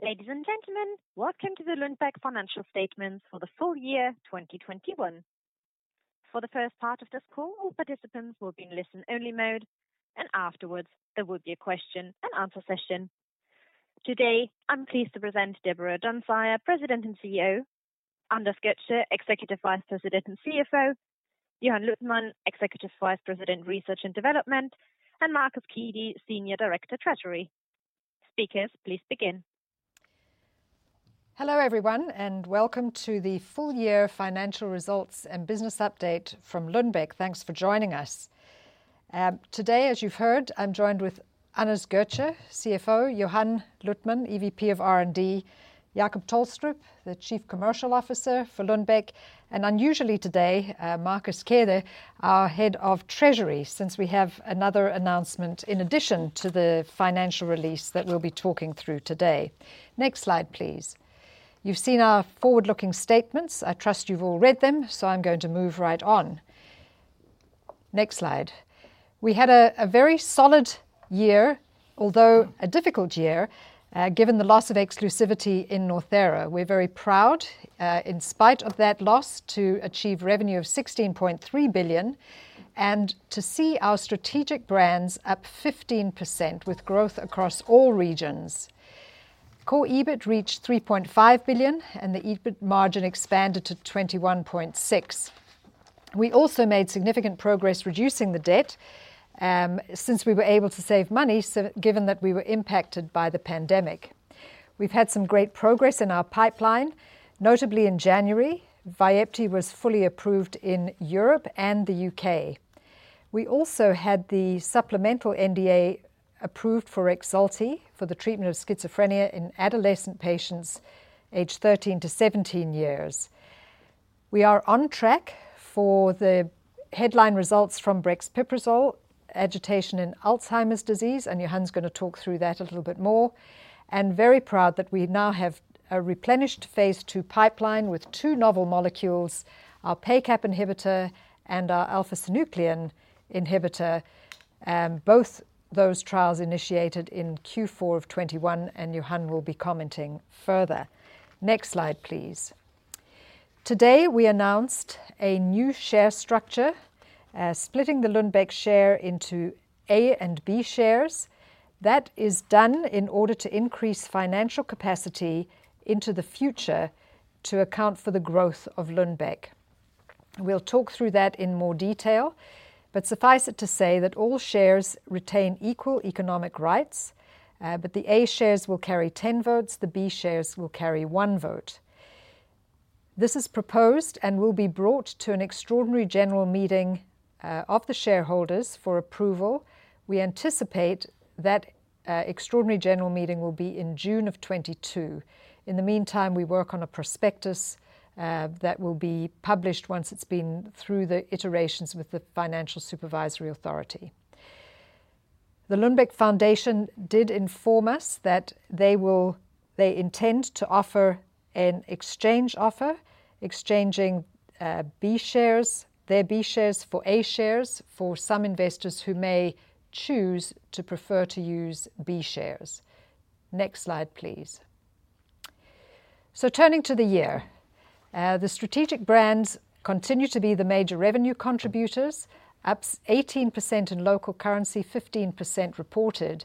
Ladies and gentlemen, welcome to the Lundbeck financial statements for the full year 2021. For the first part of this call, all participants will be in listen-only mode, and afterwards there will be a question and answer session. Today, I'm pleased to present Deborah Dunsire, President and CEO, Anders Götzsche, Executive Vice President and CFO, Johan Luthman, Executive Vice President, Research and Development, and Markus Kede, Senior Director Treasury. Speakers, please begin. Hello, everyone, and welcome to the full year financial results and business update from Lundbeck. Thanks for joining us. Today, as you've heard, I'm joined with Anders Götzsche, CFO; Johan Luthman, EVP of R&D; Jacob Tolstrup, the Chief Commercial Officer for Lundbeck; and unusually today, Markus Kede, our Head of Treasury, since we have another announcement in addition to the financial release that we'll be talking through today. Next slide, please. You've seen our forward-looking statements. I trust you've all read them, so I'm going to move right on. Next slide. We had a very solid year, although a difficult year, given the loss of exclusivity in Northera. We're very proud, in spite of that loss to achieve revenue of 16.3 billion and to see our strategic brands up 15% with growth across all regions. Core EBIT reached 3.5 billion, and the EBIT margin expanded to 21.6%. We also made significant progress reducing the debt, since we were able to save money so given that we were impacted by the pandemic. We've had some great progress in our pipeline, notably in January. Vyepti was fully approved in Europe and the U.K. We also had the supplemental NDA approved for Rexulti for the treatment of schizophrenia in adolescent patients aged 13-17 years. We are on track for the headline results from brexpiprazole agitation in Alzheimer's disease, and Johan's going to talk through that a little bit more. Very proud that we now have a replenished phase II pipeline with two novel molecules, our PACAP inhibitor and our alpha-synuclein inhibitor, both those trials initiated in Q4 of 2021, and Johan will be commenting further. Next slide, please. Today we announced a new share structure, splitting the Lundbeck share into A- and B-shares. That is done in order to increase financial capacity into the future to account for the growth of Lundbeck. We'll talk through that in more detail, but suffice it to say that all shares retain equal economic rights, but the A-shares will carry 10 votes, the B-shares will carry one vote. This is proposed and will be brought to an extraordinary general meeting of the shareholders for approval. We anticipate that the extraordinary general meeting will be in June of 2022. In the meantime, we work on a prospectus that will be published once it's been through the iterations with the Danish Financial Supervisory Authority. The Lundbeck Foundation did inform us that they will... They intend to offer an exchange offer, exchanging B-shares, their B-shares for A-shares for some investors who may choose to prefer to use B-shares. Next slide, please. Turning to the year. The strategic brands continue to be the major revenue contributors, up 18% in local currency, 15% reported.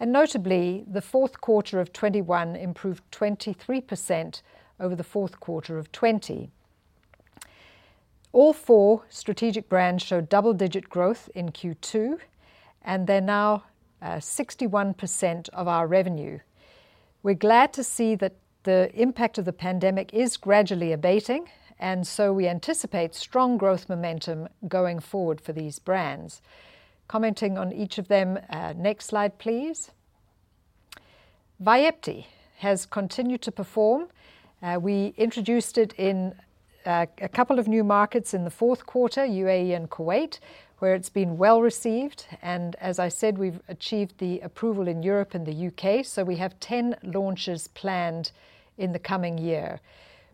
Notably, the fourth quarter of 2021 improved 23% over the fourth quarter of 2020. All four strategic brands showed double-digit growth in Q2, and they're now 61% of our revenue. We're glad to see that the impact of the pandemic is gradually abating, and we anticipate strong growth momentum going forward for these brands. Commenting on each of them. Next slide, please. Vyepti has continued to perform. We introduced it in a couple of new markets in the fourth quarter, UAE and Kuwait, where it's been well-received. As I said, we've achieved the approval in Europe and the U.K. We have 10 launches planned in the coming year.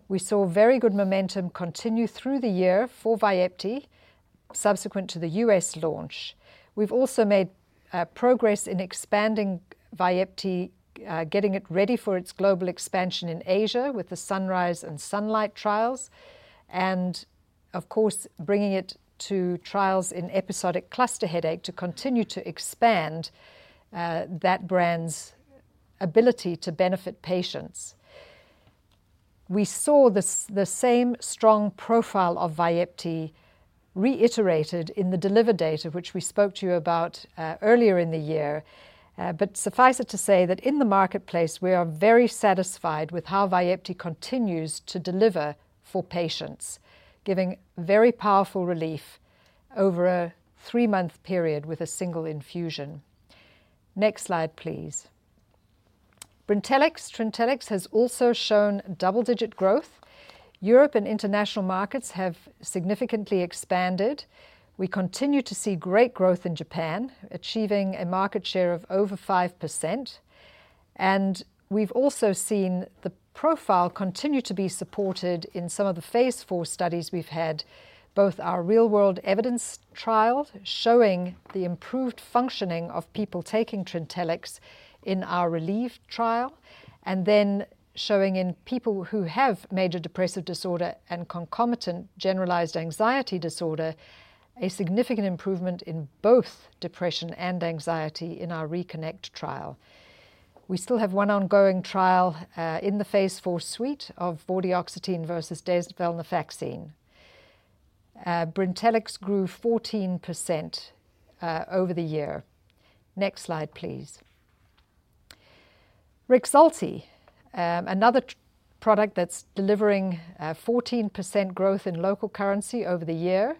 We saw very good momentum continue through the year for Vyepti subsequent to the U.S. launch. We've also made progress in expanding Vyepti, getting it ready for its global expansion in Asia with the SUNRISE and SUNLIGHT trials, and of course, bringing it to trials in episodic cluster headache to continue to expand that brand's ability to benefit patients. We saw the same strong profile of Vyepti reiterated in the DELIVER data which we spoke to you about earlier in the year. Suffice it to say that in the marketplace, we are very satisfied with how Vyepti continues to deliver for patients, giving very powerful relief over a three-month period with a single infusion. Next slide, please. Brintellix. Trintellix has also shown double-digit growth. Europe and international markets have significantly expanded. We continue to see great growth in Japan, achieving a market share of over 5%. We've also seen the profile continue to be supported in some of the phase IV studies we've had, both our real-world evidence trial showing the improved functioning of people taking Trintellix in our RELIEVE trial, and then showing in people who have major depressive disorder and concomitant generalized anxiety disorder a significant improvement in both depression and anxiety in our RECONNECT trial. We still have one ongoing trial in the phase IV suite of Vortioxetine versus Desvenlafaxine. Brintellix grew 14% over the year. Next slide, please. Rexulti, another product that's delivering a 14% growth in local currency over the year.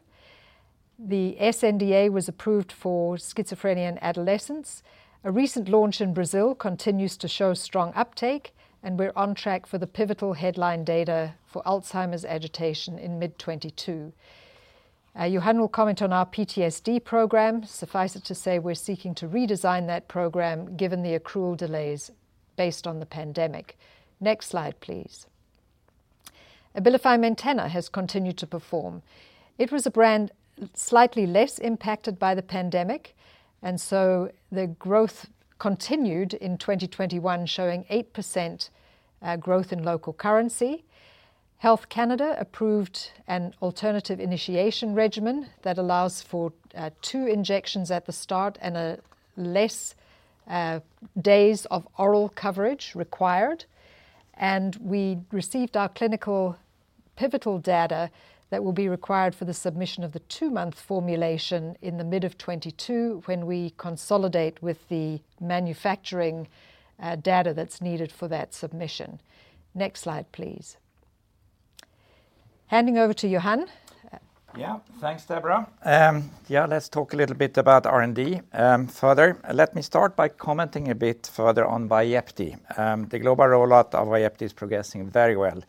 The sNDA was approved for schizophrenia in adolescents. A recent launch in Brazil continues to show strong uptake, and we're on track for the pivotal headline data for Alzheimer's agitation in mid-2022. Johan will comment on our PTSD program. Suffice it to say we're seeking to redesign that program given the accrual delays based on the pandemic. Next slide, please. Abilify Maintena has continued to perform. It was a brand slightly less impacted by the pandemic, and so the growth continued in 2021, showing 8% growth in local currency. Health Canada approved an alternative initiation regimen that allows for two injections at the start and a less days of oral coverage required. We received our clinical pivotal data that will be required for the submission of the two-month formulation in the mid of 2022 when we consolidate with the manufacturing data that's needed for that submission. Next slide, please. Handing over to Johan. Yeah. Thanks, Deborah. Yeah, let's talk a little bit about R&D further. Let me start by commenting a bit further on Vyepti. The global rollout of Vyepti is progressing very well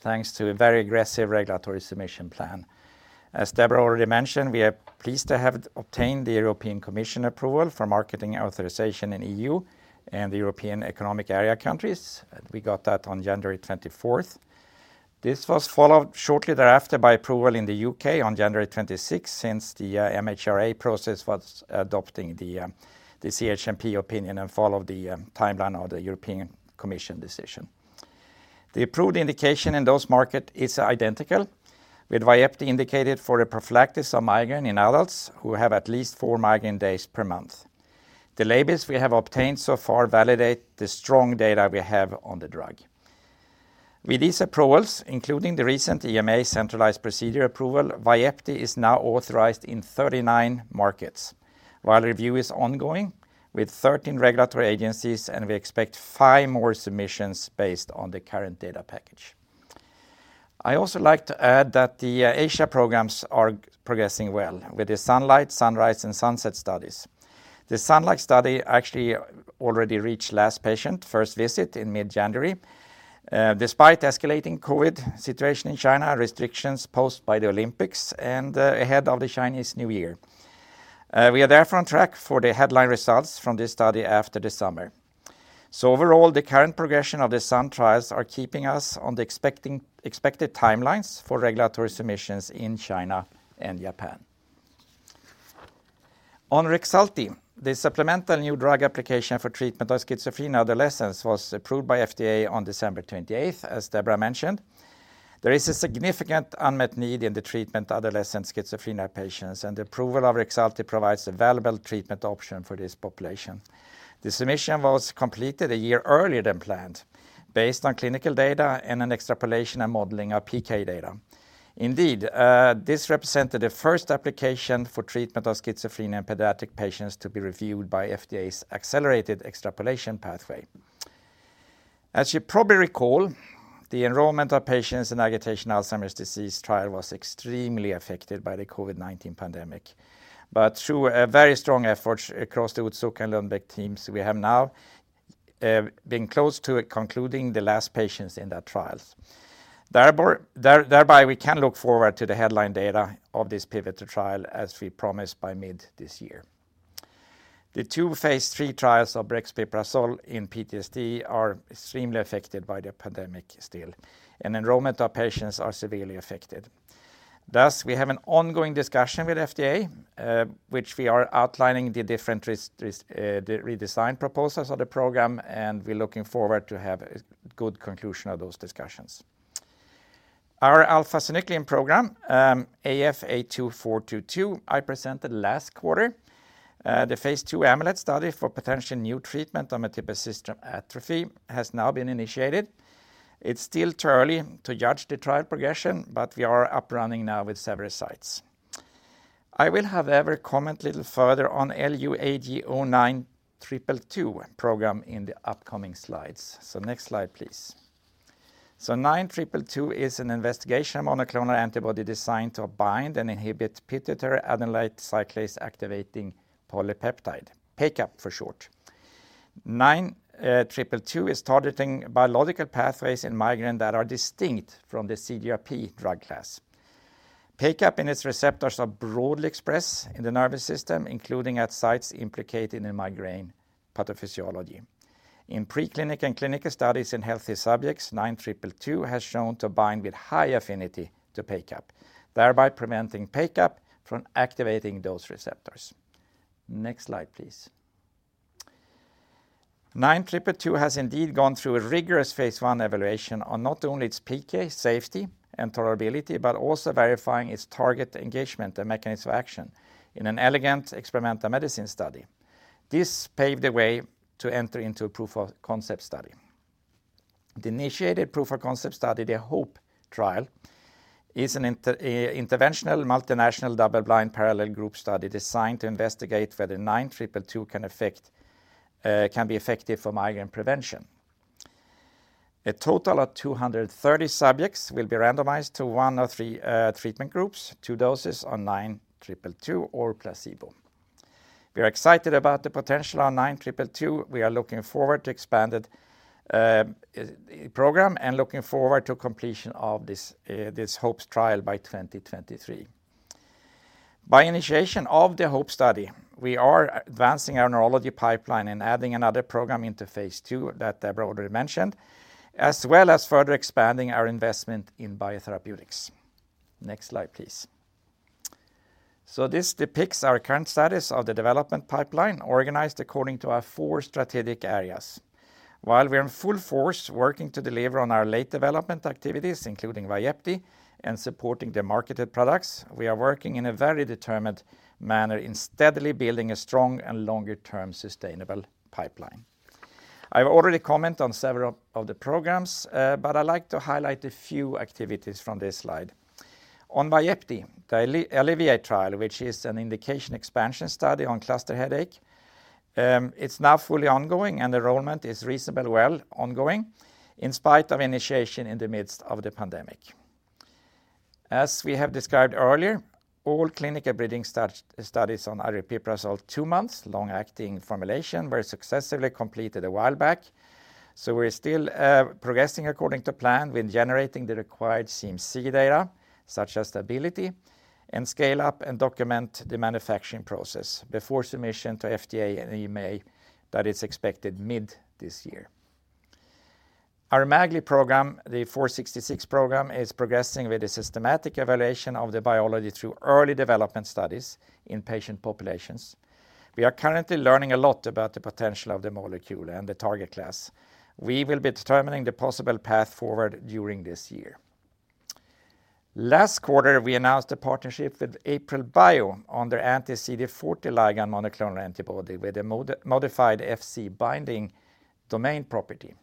thanks to a very aggressive regulatory submission plan. As Deborah already mentioned, we are pleased to have obtained the European Commission approval for marketing authorization in EU and the European Economic Area countries. We got that on January 24th. This was followed shortly thereafter by approval in the U.K. on January 26th since the MHRA process was adopting the CHMP opinion and followed the timeline of the European Commission decision. The approved indication in those markets is identical with Vyepti indicated for the prophylaxis of migraine in adults who have at least four migraine days per month. The labels we have obtained so far validate the strong data we have on the drug. With these approvals, including the recent EMA centralized procedure approval, Vyepti is now authorized in 39 markets while review is ongoing with 13 regulatory agencies, and we expect five more submissions based on the current data package. I also like to add that the Asia programs are progressing well with the SUNLIGHT, SUNRISE, and SUNSET studies. The SUNLIGHT study actually already reached last patient first visit in mid-January despite escalating COVID situation in China, restrictions posed by the Olympics, and ahead of the Chinese New Year. We are therefore on track for the headline results from this study after the summer. Overall, the current progression of the SUN trials are keeping us on the expected timelines for regulatory submissions in China and Japan. On Rexulti, the supplemental new drug application for treatment of schizophrenia in adolescents was approved by FDA on December 28th, as Deborah mentioned. There is a significant unmet need in the treatment of adolescent schizophrenia patients, and the approval of Rexulti provides a valuable treatment option for this population. The submission was completed a year earlier than planned based on clinical data and an extrapolation and modeling of PK data. Indeed, this represented the first application for treatment of schizophrenia in pediatric patients to be reviewed by FDA's accelerated extrapolation pathway. As you probably recall, the enrollment of patients in agitation Alzheimer's disease trial was extremely affected by the COVID-19 pandemic. Through a very strong effort across the Otsuka and Lundbeck teams, we have now been close to concluding the last patients in that trial. Thereby, we can look forward to the headline data of this pivotal trial as we promised by mid this year. The two phase III trials of brexpiprazole in PTSD are extremely affected by the pandemic still, and enrollment of patients is severely affected. Thus, we have an ongoing discussion with FDA, which we are outlining the different redesign proposals of the program, and we're looking forward to have a good conclusion of those discussions. Our alpha-synuclein program, Lu AF82422, I presented last quarter. The phase II AMULET study for potential new treatment on multiple system atrophy has now been initiated. It's still too early to judge the trial progression, but we are up and running now with several sites. I will however comment a little further on Lu AG09222 program in the upcoming slides. Next slide, please. Lu AG09222 is an investigational monoclonal antibody designed to bind and inhibit pituitary adenylate cyclase-activating polypeptide, PACAP for short. Lu AG09222 is targeting biological pathways in migraine that are distinct from the CGRP drug class. PACAP and its receptors are broadly expressed in the nervous system, including at sites implicated in migraine pathophysiology. In preclinical and clinical studies in healthy subjects, Lu AG09222 has shown to bind with high affinity to PACAP, thereby preventing PACAP from activating those receptors. Next slide, please. Lu AG09222 has indeed gone through a rigorous phase I evaluation on not only its PK safety and tolerability, but also verifying its target engagement and mechanism of action in an elegant experimental medicine study. This paved the way to enter into a proof of concept study. The initiated proof of concept study, the HOPE trial, is an interventional multinational double-blind parallel group study designed to investigate whether Lu AG09222 can be effective for migraine prevention. A total of 230 subjects will be randomized to one of three treatment groups. Two doses of Lu AG09222 or placebo. We are excited about the potential of Lu AG09222. We are looking forward to expanded program and looking forward to completion of this HOPE trial by 2023. By initiation of the HOPE study, we are advancing our neurology pipeline and adding another program into phase II that Deborah already mentioned, as well as further expanding our investment in biotherapeutics. Next slide, please. This depicts our current status of the development pipeline organized according to our four strategic areas. While we are in full force working to deliver on our late development activities, including Vyepti and supporting the marketed products, we are working in a very determined manner in steadily building a strong and longer-term sustainable pipeline. I've already commented on several of the programs, but I'd like to highlight a few activities from this slide. On Vyepti, the ALLEVIATE trial, which is an indication expansion study on cluster headache, it's now fully ongoing and enrollment is reasonably well ongoing in spite of initiation in the midst of the pandemic. As we have described earlier, all clinical bridging studies on aripiprazole two-month long-acting formulation were successfully completed a while back. We're still progressing according to plan with generating the required CMC data, such as stability and scale up and document the manufacturing process before submission to FDA and EMA that is expected mid this year. Our MAGL program, the Lu AG06466 program, is progressing with a systematic evaluation of the biology through early development studies in patient populations. We are currently learning a lot about the potential of the molecule and the target class. We will be determining the possible path forward during this year. Last quarter, we announced a partnership with AprilBio on their anti-CD40 ligand monoclonal antibody with a modified Fc binding domain property.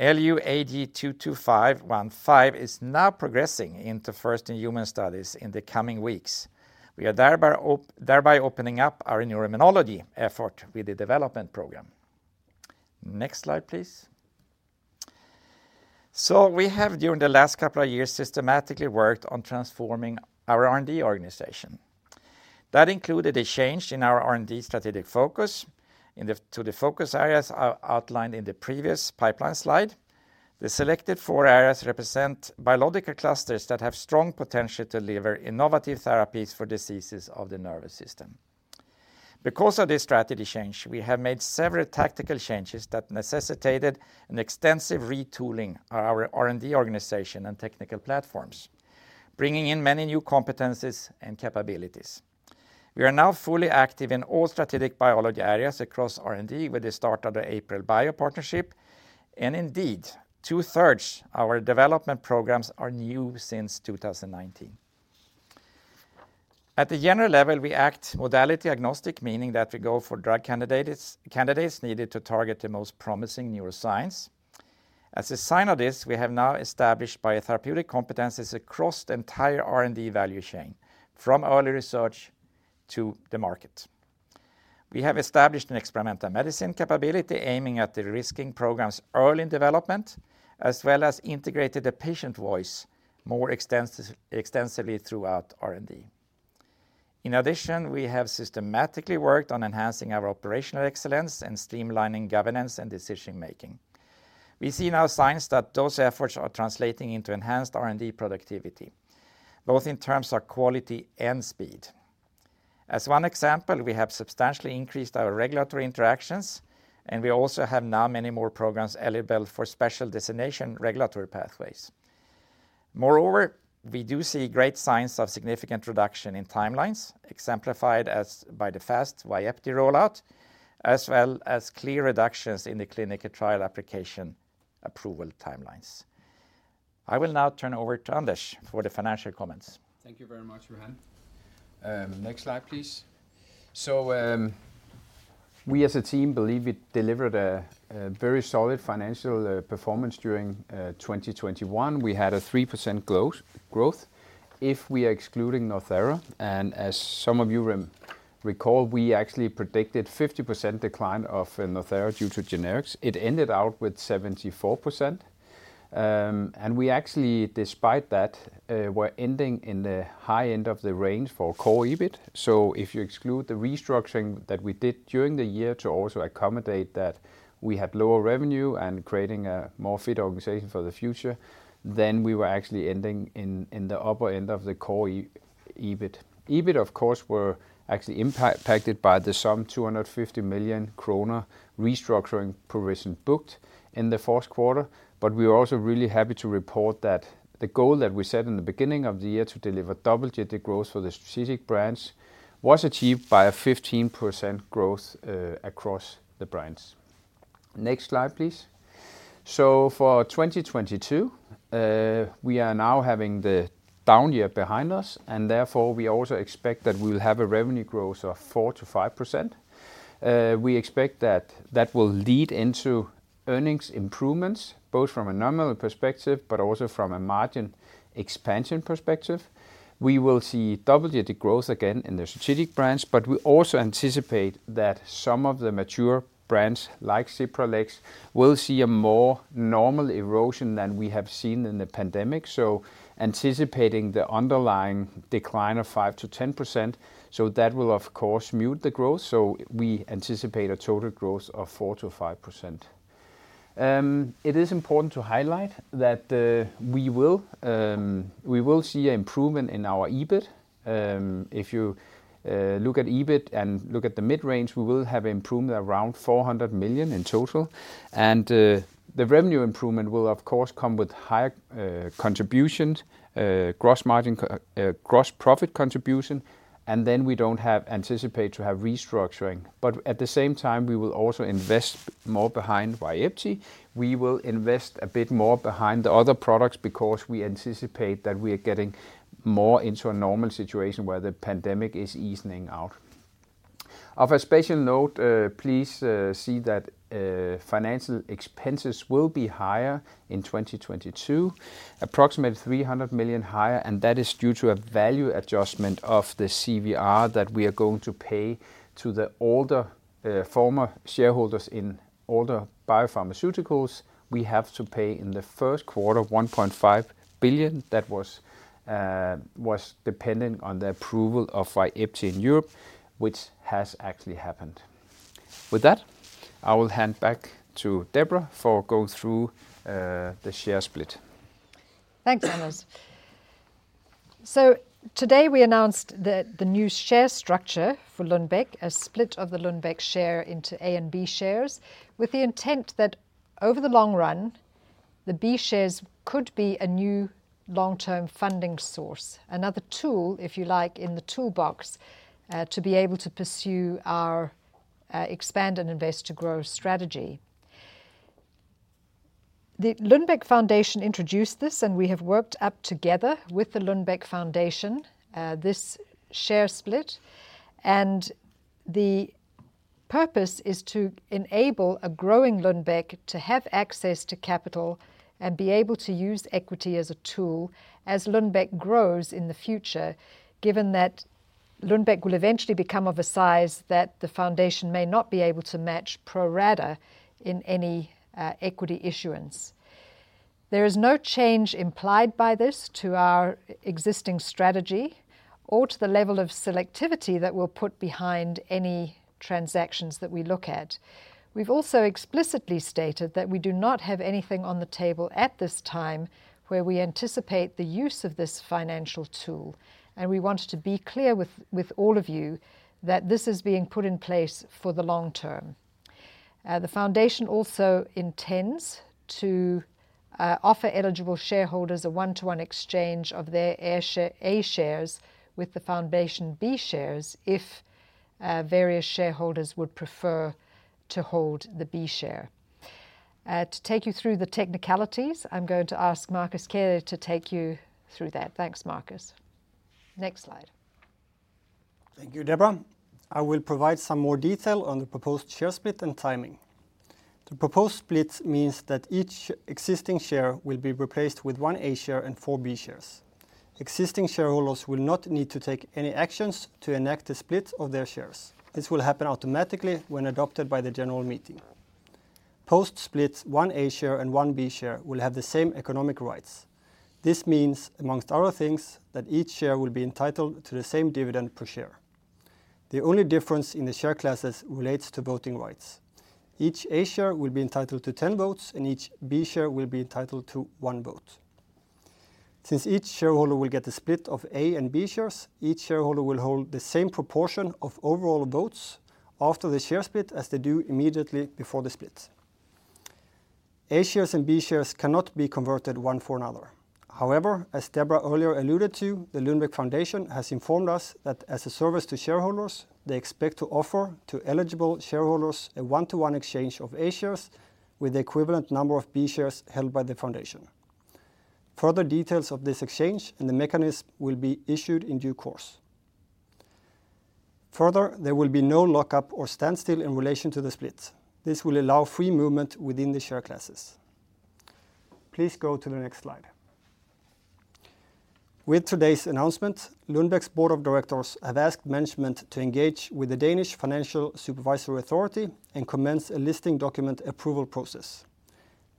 Lu AG22515 is now progressing into first in human studies in the coming weeks. We are thereby opening up our neuroimmunology effort with the development program. Next slide, please. We have during the last couple of years systematically worked on transforming our R&D organization. That included a change in our R&D strategic focus to the focus areas outlined in the previous pipeline slide. The selected four areas represent biological clusters that have strong potential to deliver innovative therapies for diseases of the nervous system. Because of this strategy change, we have made several tactical changes that necessitated an extensive retooling of our R&D organization and technical platforms, bringing in many new competencies and capabilities. We are now fully active in all strategic biology areas across R&D with the start of the AprilBio partnership. Indeed, 2/3 our development programs are new since 2019. At the general level, we act modality agnostic, meaning that we go for drug candidates needed to target the most promising neuroscience. As a sign of this, we have now established biotherapeutic competencies across the entire R&D value chain, from early research to the market. We have established an experimental medicine capability aiming at de-risking programs early in development, as well as integrated the patient voice more extensively throughout R&D. In addition, we have systematically worked on enhancing our operational excellence and streamlining governance and decision-making. We see now signs that those efforts are translating into enhanced R&D productivity, both in terms of quality and speed. As one example, we have substantially increased our regulatory interactions, and we also have now many more programs eligible for special designation regulatory pathways. Moreover, we do see great signs of significant reduction in timelines, exemplified by the fast Vyepti rollout, as well as clear reductions in the clinical trial application approval timelines. I will now turn over to Anders for the financial comments. Thank you very much, Johan. Next slide, please. We as a team believe we delivered a very solid financial performance during 2021. We had a 3% growth. If we are excluding Northera, and as some of you recall, we actually predicted 50% decline of Northera due to generics. It ended up with 74%. We actually despite that were ending in the high end of the range for core EBIT. If you exclude the restructuring that we did during the year to also accommodate that we had lower revenue and creating a more fit organization for the future, then we were actually ending in the upper end of the core EBIT. EBIT, of course, were actually impacted by the sum 250 million kroner restructuring provision booked in the first quarter. We are also really happy to report that the goal that we set in the beginning of the year to deliver double-digit growth for the strategic brands was achieved by a 15% growth across the brands. Next slide, please. For 2022, we are now having the down year behind us, and therefore we also expect that we will have a revenue growth of 4%-5%. We expect that that will lead into earnings improvements, both from a nominal perspective but also from a margin expansion perspective. We will see double-digit growth again in the strategic brands, but we also anticipate that some of the mature brands, like Cipralex, will see a more normal erosion than we have seen in the pandemic. Anticipating the underlying decline of 5%-10%, that will of course mute the growth. We anticipate a total growth of 4%-5%. It is important to highlight that we will see improvement in our EBIT. If you look at EBIT and look at the mid-range, we will have improvement around 400 million in total. The revenue improvement will of course come with higher contributions, gross profit contribution, and then we don't anticipate to have restructuring. At the same time, we will also invest more behind Vyepti. We will invest a bit more behind the other products because we anticipate that we are getting more into a normal situation where the pandemic is easing out. Of special note, please see that financial expenses will be higher in 2022, approximately 300 million higher, and that is due to a value adjustment of the CVR that we are going to pay to the former shareholders in Alder BioPharmaceuticals. We have to pay in the first quarter 1.5 billion that was dependent on the approval of Vyepti in Europe, which has actually happened. With that, I will hand back to Deborah to go through the share split. Thanks, Anders. Today we announced the new share structure for Lundbeck, a split of the Lundbeck share into A- and B-shares, with the intent that over the long run, the B-shares could be a new long-term funding source. Another tool, if you like, in the toolbox, to be able to pursue our expand and invest to grow strategy. The Lundbeck Foundation introduced this, and we have worked up together with The Lundbeck Foundation this share split. The purpose is to enable a growing Lundbeck to have access to capital and be able to use equity as a tool as Lundbeck grows in the future, given that Lundbeck will eventually become of a size that the foundation may not be able to match pro rata in any equity issuance. There is no change implied by this to our existing strategy or to the level of selectivity that we'll put behind any transactions that we look at. We've also explicitly stated that we do not have anything on the table at this time where we anticipate the use of this financial tool, and we want to be clear with all of you that this is being put in place for the long term. The foundation also intends to offer eligible shareholders a one-to-one exchange of their A-shares with the foundation B-shares if various shareholders would prefer to hold the B-share. To take you through the technicalities, I'm going to ask Markus Kede to take you through that. Thanks, Markus. Next slide. Thank you, Deborah. I will provide some more detail on the proposed share split and timing. The proposed split means that each existing share will be replaced with one A-share and four B-shares. Existing shareholders will not need to take any actions to enact the split of their shares. This will happen automatically when adopted by the general meeting. Post-split, one A-share and one B-share will have the same economic rights. This means, among other things, that each share will be entitled to the same dividend per share. The only difference in the share classes relates to voting rights. Each A-share will be entitled to 10 votes, and each B-share will be entitled to one vote. Since each shareholder will get the split of A- and B-shares, each shareholder will hold the same proportion of overall votes after the share split as they do immediately before the split. A-shares and B-shares cannot be converted one for another. However, as Deborah earlier alluded to, the Lundbeck Foundation has informed us that as a service to shareholders, they expect to offer to eligible shareholders a one-to-one exchange of A-shares with the equivalent number of B-shares held by the foundation. Further details of this exchange and the mechanism will be issued in due course. Further, there will be no lock-up or standstill in relation to the split. This will allow free movement within the share classes. Please go to the next slide. With today's announcement, Lundbeck's board of directors have asked management to engage with the Danish Financial Supervisory Authority and commence a listing document approval process.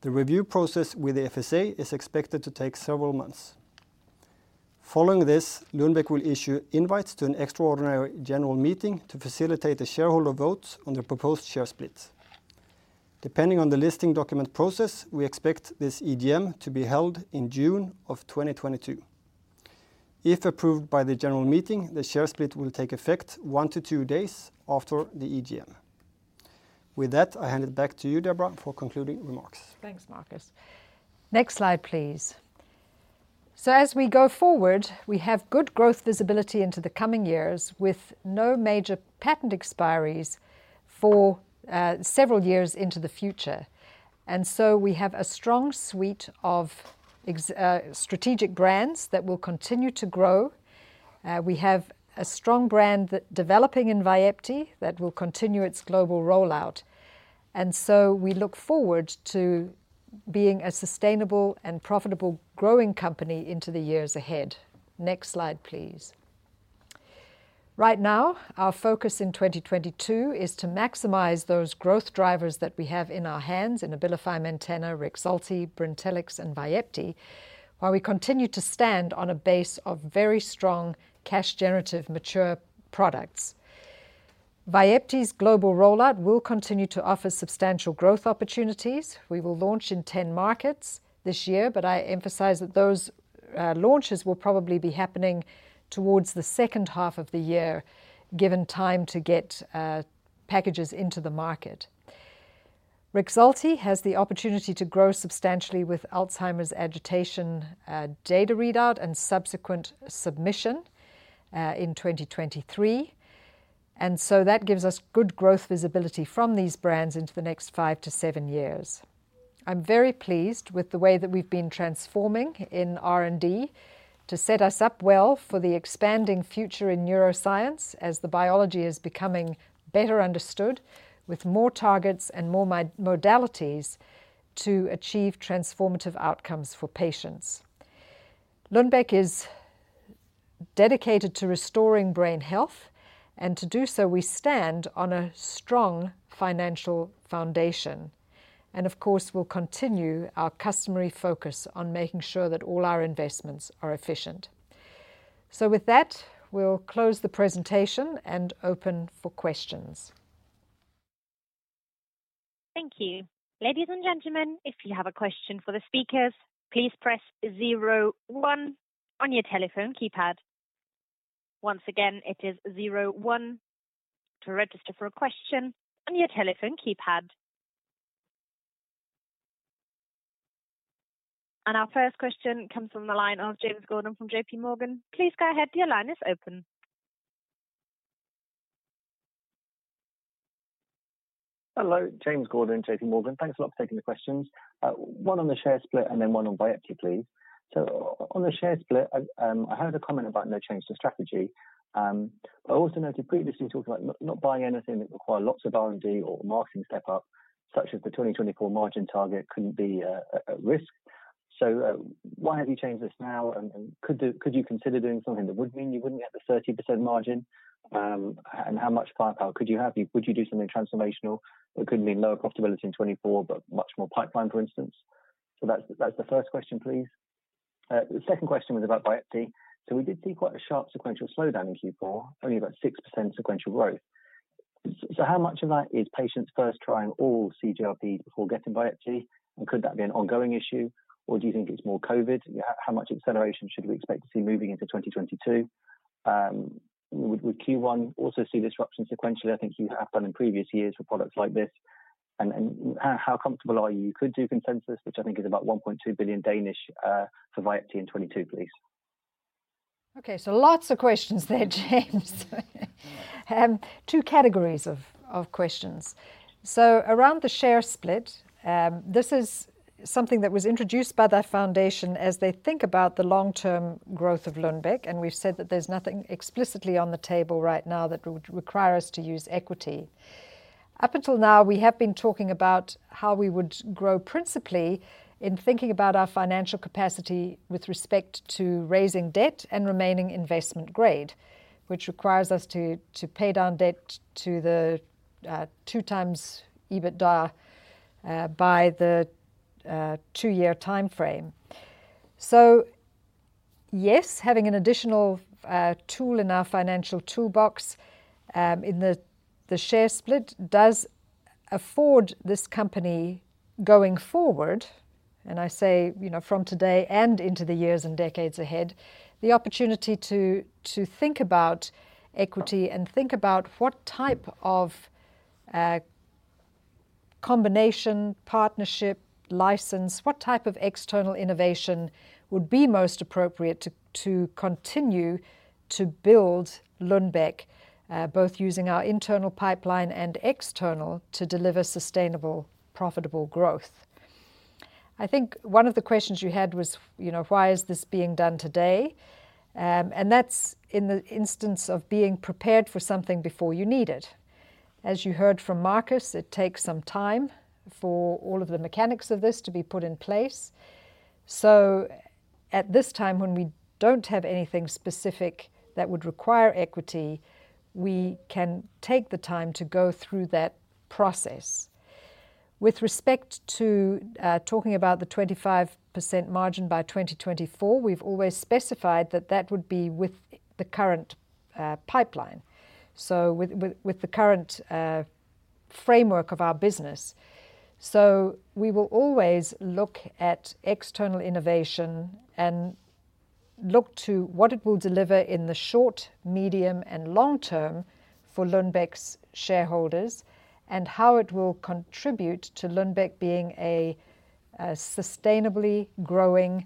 The review process with the FSA is expected to take several months. Following this, Lundbeck will issue invites to an extraordinary general meeting to facilitate the shareholder votes on the proposed share split. Depending on the listing document process, we expect this AGM to be held in June 2022. If approved by the general meeting, the share split will take effect one to two days after the AGM. With that, I hand it back to you, Deborah, for concluding remarks. Thanks, Markus. Next slide, please. As we go forward, we have good growth visibility into the coming years with no major patent expiries for several years into the future. We have a strong suite of strategic brands that will continue to grow. We have a strong brand that's developing in Vyepti that will continue its global rollout. We look forward to being a sustainable and profitable growing company into the years ahead. Next slide, please. Right now, our focus in 2022 is to maximize those growth drivers that we have in our hands in Abilify Maintena, Rexulti, Brintellix, and Vyepti while we continue to stand on a base of very strong cash generative mature products. Vyepti’s global rollout will continue to offer substantial growth opportunities. We will launch in 10 markets this year, but I emphasize that those launches will probably be happening towards the second half of the year, given time to get packages into the market. Rexulti has the opportunity to grow substantially with Alzheimer's agitation data readout and subsequent submission in 2023. That gives us good growth visibility from these brands into the next five to seven years. I'm very pleased with the way that we've been transforming in R&D to set us up well for the expanding future in neuroscience as the biology is becoming better understood with more targets and more modalities to achieve transformative outcomes for patients. Lundbeck is dedicated to restoring brain health, and to do so, we stand on a strong financial foundation, and of course, we'll continue our customary focus on making sure that all our investments are efficient. With that, we'll close the presentation and open for questions. Thank you. Ladies and gentlemen, if you have a question for the speakers, please press zero one on your telephone keypad. Once again, it is zero one to register for a question on your telephone keypad. Our first question comes from the line of James Gordon from JPMorgan. Please go ahead. Your line is open. Hello. James Gordon, J.P. Morgan. Thanks a lot for taking the questions. One on the share split and then one on Vyepti, please. So on the share split, I've heard a comment about no change to strategy, but I also noted previously talking about not buying anything that require lots of R&D or marketing step-up, such as the 2024 margin target couldn't be at risk. So why have you changed this now and could you consider doing something that would mean you wouldn't get the 30% margin? And how much firepower could you have? Would you do something transformational that could mean lower profitability in 2024 but much more pipeline, for instance? So that's the first question, please. The second question was about Vyepti. We did see quite a sharp sequential slowdown in Q4, only about 6% sequential growth. How much of that is patients first trying all CGRP before getting Vyepti? Could that be an ongoing issue, or do you think it's more COVID? How much acceleration should we expect to see moving into 2022? Would Q1 also see disruption sequentially? I think you have done in previous years with products like this. How comfortable are you? You could do consensus, which I think is about 1.2 billion for Vyepti in 2022, please. Okay. Lots of questions there, James. Two categories of questions. Around the share split, this is something that was introduced by The Lundbeck foundation as they think about the long-term growth of Lundbeck, and we've said that there's nothing explicitly on the table right now that would require us to use equity. Up until now, we have been talking about how we would grow principally in thinking about our financial capacity with respect to raising debt and remaining investment grade, which requires us to pay down debt to the 2x EBITDA by the two-year timeframe. Yes, having an additional tool in our financial toolbox, in the share split does afford this company going forward, and I say, you know, from today and into the years and decades ahead, the opportunity to think about equity and think about what type of combination, partnership, license, what type of external innovation would be most appropriate to continue to build Lundbeck, both using our internal pipeline and external to deliver sustainable, profitable growth. I think one of the questions you had was, you know, why is this being done today? That's in the interest of being prepared for something before you need it. As you heard from Markus, it takes some time for all of the mechanics of this to be put in place. At this time when we don't have anything specific that would require equity, we can take the time to go through that process. With respect to talking about the 25% margin by 2024, we've always specified that would be with the current pipeline with the current Framework of our business. We will always look at external innovation and look to what it will deliver in the short, medium, and long term for Lundbeck's shareholders and how it will contribute to Lundbeck being a sustainably growing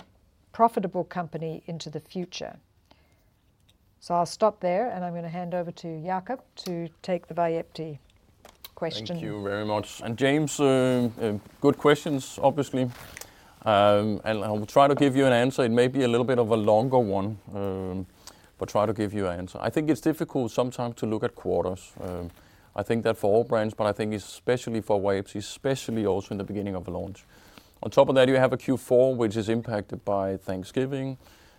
profitable company into the future. I'll stop there, and I'm gonna hand over to Jacob to take the Vyepti question. Thank you very much. James, good questions obviously. I will try to give you an answer. It may be a little bit of a longer one, but try to give you an answer. I think it's difficult sometimes to look at quarters. I think that for all brands, but I think especially for Vyepti, especially also in the beginning of a launch. On top of that, you have a Q4, which is impacted by Thanksgiving,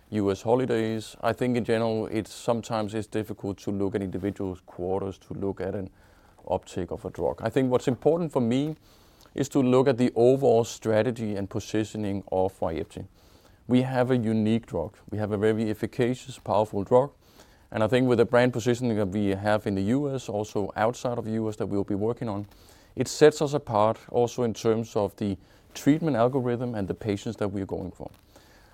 U.S. holidays. I think in general, it sometimes is difficult to look at individual quarters to look at an uptake of a drug. I think what's important for me is to look at the overall strategy and positioning of Vyepti. We have a unique drug. We have a very efficacious, powerful drug, and I think with the brand positioning that we have in the U.S., also outside of the U.S. that we'll be working on, it sets us apart also in terms of the treatment algorithm and the patients that we're going for.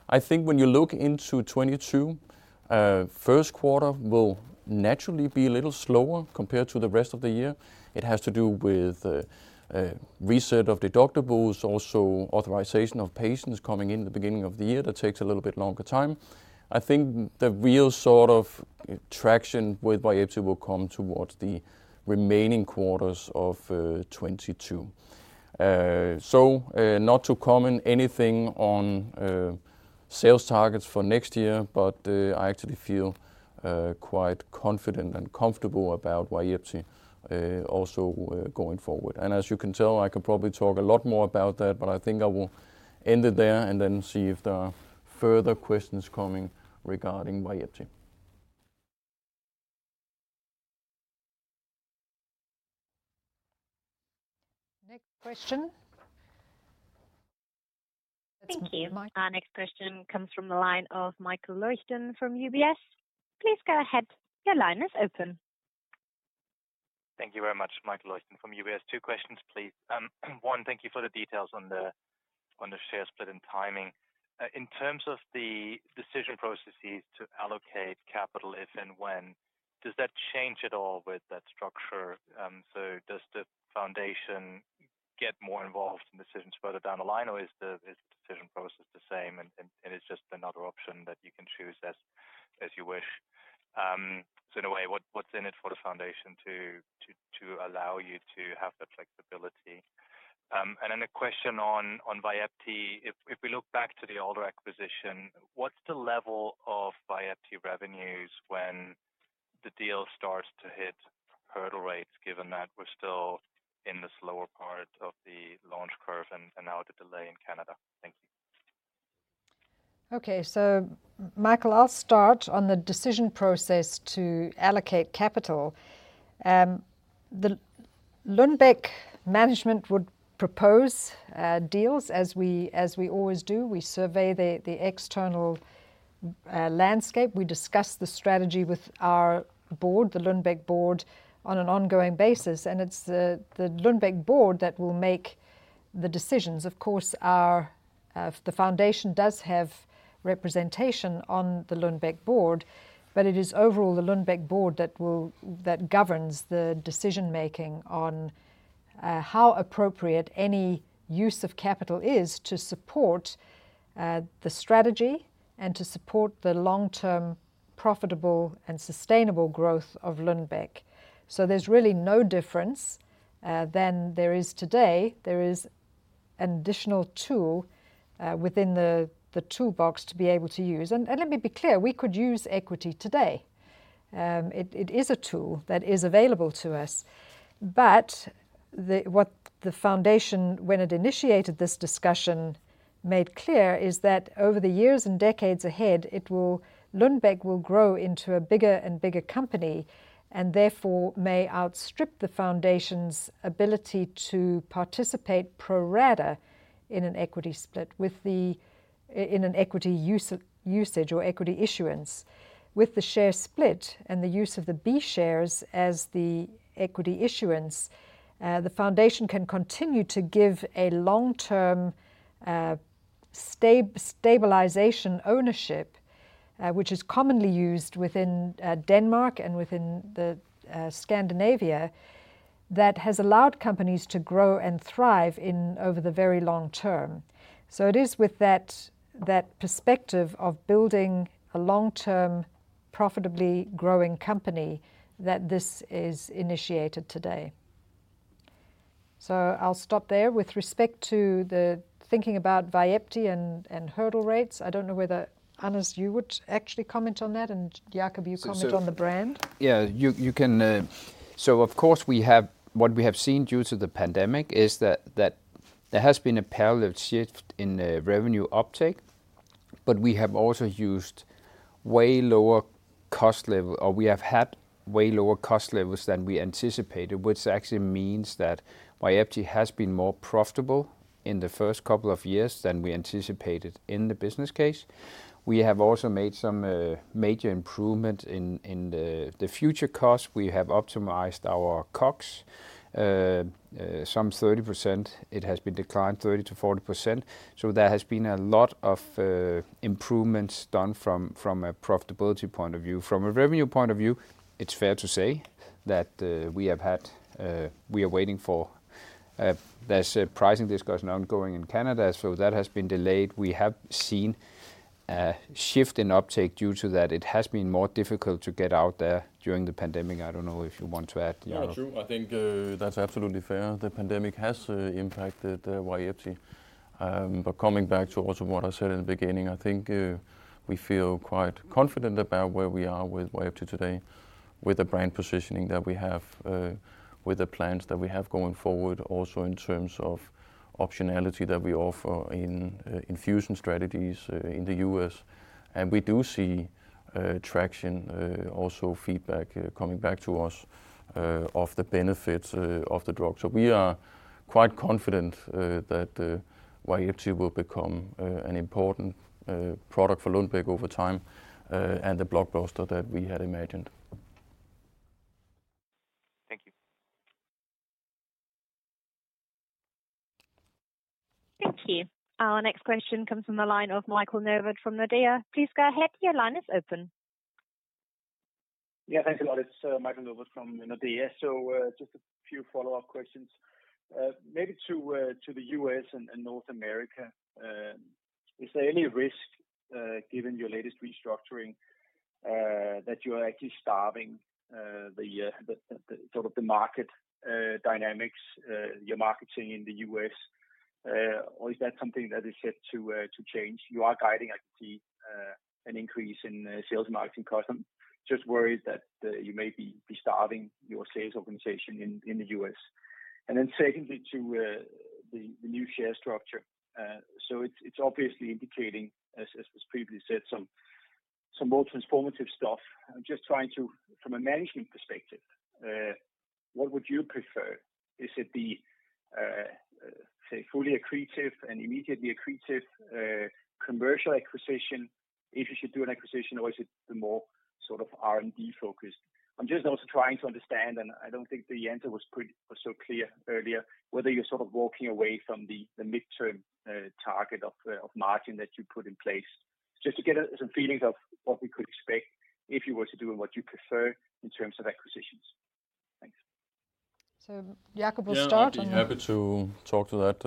I think when you look into 2022, first quarter will naturally be a little slower compared to the rest of the year. It has to do with a reset of deductibles, also authorization of patients coming in the beginning of the year. That takes a little bit longer time. I think the real sort of traction with Vyepti will come towards the remaining quarters of 2022. Not to comment anything on sales targets for next year, but I actually feel quite confident and comfortable about Vyepti, also going forward. As you can tell, I could probably talk a lot more about that, but I think I will end it there and then see if there are further questions coming regarding Vyepti. Next question. Thank you. Our next question comes from the line of Michael Leuchten from UBS. Please go ahead. Your line is open. Thank you very much. Michael Leuchten from UBS. Two questions, please. One, thank you for the details on the share split and timing. In terms of the decision processes to allocate capital, if and when, does that change at all with that structure? So does the foundation get more involved in decisions further down the line, or is the decision process the same and it's just another option that you can choose as you wish? So in a way, what's in it for the foundation to allow you to have that flexibility? And then a question on Vyepti. If we look back to the Alder acquisition, what's the level of Vyepti revenues when the deal starts to hit hurdle rates, given that we're still in this lower part of the launch curve and now the delay in Canada? Thank you. Okay. Michael, I'll start on the decision process to allocate capital. The Lundbeck management would propose deals as we always do. We survey the external landscape. We discuss the strategy with our board, the Lundbeck board, on an ongoing basis. It's the Lundbeck board that will make the decisions. Of course, the foundation does have representation on the Lundbeck board, but it is overall the Lundbeck board that governs the decision-making on how appropriate any use of capital is to support the strategy and to support the long-term profitable and sustainable growth of Lundbeck. There's really no difference than there is today. There is an additional tool within the toolbox to be able to use. Let me be clear, we could use equity today. It is a tool that is available to us. What the foundation, when it initiated this discussion, made clear is that over the years and decades ahead, Lundbeck will grow into a bigger and bigger company and therefore may outstrip the foundation's ability to participate pro rata in an equity split with the in an equity usage or equity issuance. With the share split and the use of the B-shares as the equity issuance, the foundation can continue to give a long-term stabilization ownership, which is commonly used within Denmark and within Scandinavia that has allowed companies to grow and thrive in over the very long term. It is with that perspective of building a long-term profitably growing company that this is initiated today. I'll stop there. With respect to the thinking about Vyepti and hurdle rates, I don't know whether, Anders, you would actually comment on that, and Jacob, you comment on the brand. Of course, what we have seen due to the pandemic is that there has been a parallel shift in the revenue uptake, but we have also used way lower cost level, or we have had way lower cost levels than we anticipated, which actually means that Vyepti has been more profitable in the first couple of years than we anticipated in the business case. We have also made some major improvement in the future costs. We have optimized our COGS 30%. It has been declined 30%-40%. There has been a lot of improvements done from a profitability point of view. From a revenue point of view, it's fair to say that we are waiting for; there's a pricing discussion ongoing in Canada, so that has been delayed. We have seen a shift in uptake due to that. It has been more difficult to get out there during the pandemic. I don't know if you want to add. Yeah, true. I think that's absolutely fair. The pandemic has impacted Vyepti. But coming back to also what I said in the beginning, I think we feel quite confident about where we are with Vyepti today, with the brand positioning that we have, with the plans that we have going forward, also in terms of optionality that we offer in infusion strategies in the U.S. We do see traction, also feedback coming back to us of the benefits of the drug. We are quite confident that Vyepti will become an important product for Lundbeck over time and the blockbuster that we had imagined. Thank you. Thank you. Our next question comes from the line of Michael Novod from Nordea. Please go ahead. Your line is open. Yeah, thanks a lot. It's Michael Novod from Nordea. Just a few follow-up questions. Maybe to the U.S. and North America, is there any risk, given your latest restructuring, that you are actually starving the sort of market dynamics your marketing in the U.S.? Or is that something that is set to change? You are guiding, I can see, an increase in sales marketing costs. I'm just worried that you may be starving your sales organization in the U.S. Then secondly, to the new share structure. It's obviously indicating, as was previously said, some more transformative stuff. I'm just trying to, from a management perspective, what would you prefer? Is it, say, fully accretive and immediately accretive commercial acquisition if you should do an acquisition, or is it the more sort of R&D focused? I'm just also trying to understand, and I don't think the answer was so clear earlier, whether you're sort of walking away from the midterm target of margin that you put in place. Just to get some feelings of what we could expect if you were to do and what you prefer in terms of acquisitions. Thanks. Jacob will start. Yeah, I'd be happy to talk to that.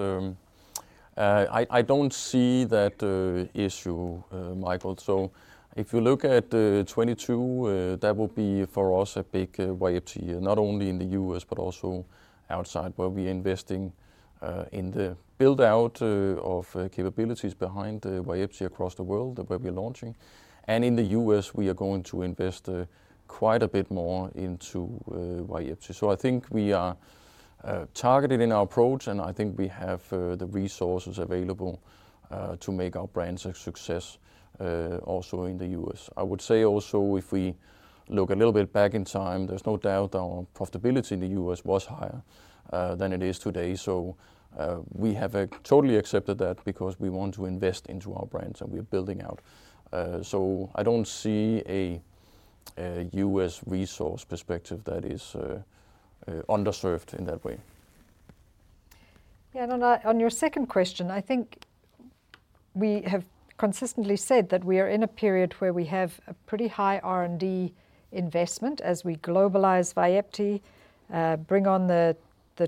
I don't see that issue, Michael. If you look at 2022, that will be for us a big Vyepti year, not only in the U.S., but also outside, where we're investing in the build-out of capabilities behind Vyepti across the world where we're launching. In the U.S., we are going to invest quite a bit more into Vyepti. I think we are targeted in our approach, and I think we have the resources available to make our brands a success also in the U.S. I would say also, if we look a little bit back in time, there's no doubt our profitability in the U.S. was higher than it is today. We have totally accepted that because we want to invest into our brands and we're building out. I don't see a U.S. resource perspective that is underserved in that way. Yeah. On your second question, I think we have consistently said that we are in a period where we have a pretty high R&D investment as we globalize Vyepti, bring on the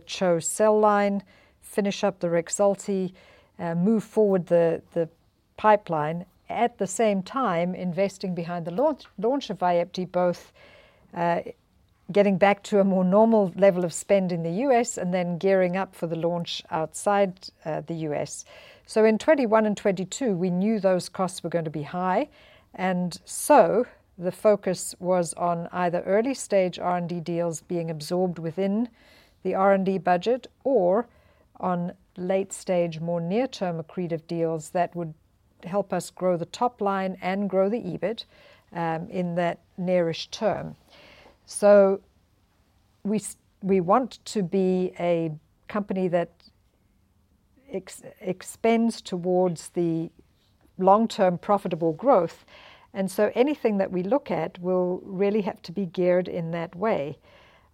CHO cell line, finish up the Rexulti, move forward the pipeline. At the same time, investing behind the launch of Vyepti, both getting back to a more normal level of spend in the U.S. and then gearing up for the launch outside the U.S. In 2021 and 2022, we knew those costs were going to be high. The focus was on either early-stage R&D deals being absorbed within the R&D budget or on late-stage, more near-term accretive deals that would help us grow the top line and grow the EBIT in that near-ish term. We want to be a company that expands towards the long-term profitable growth. Anything that we look at will really have to be geared in that way.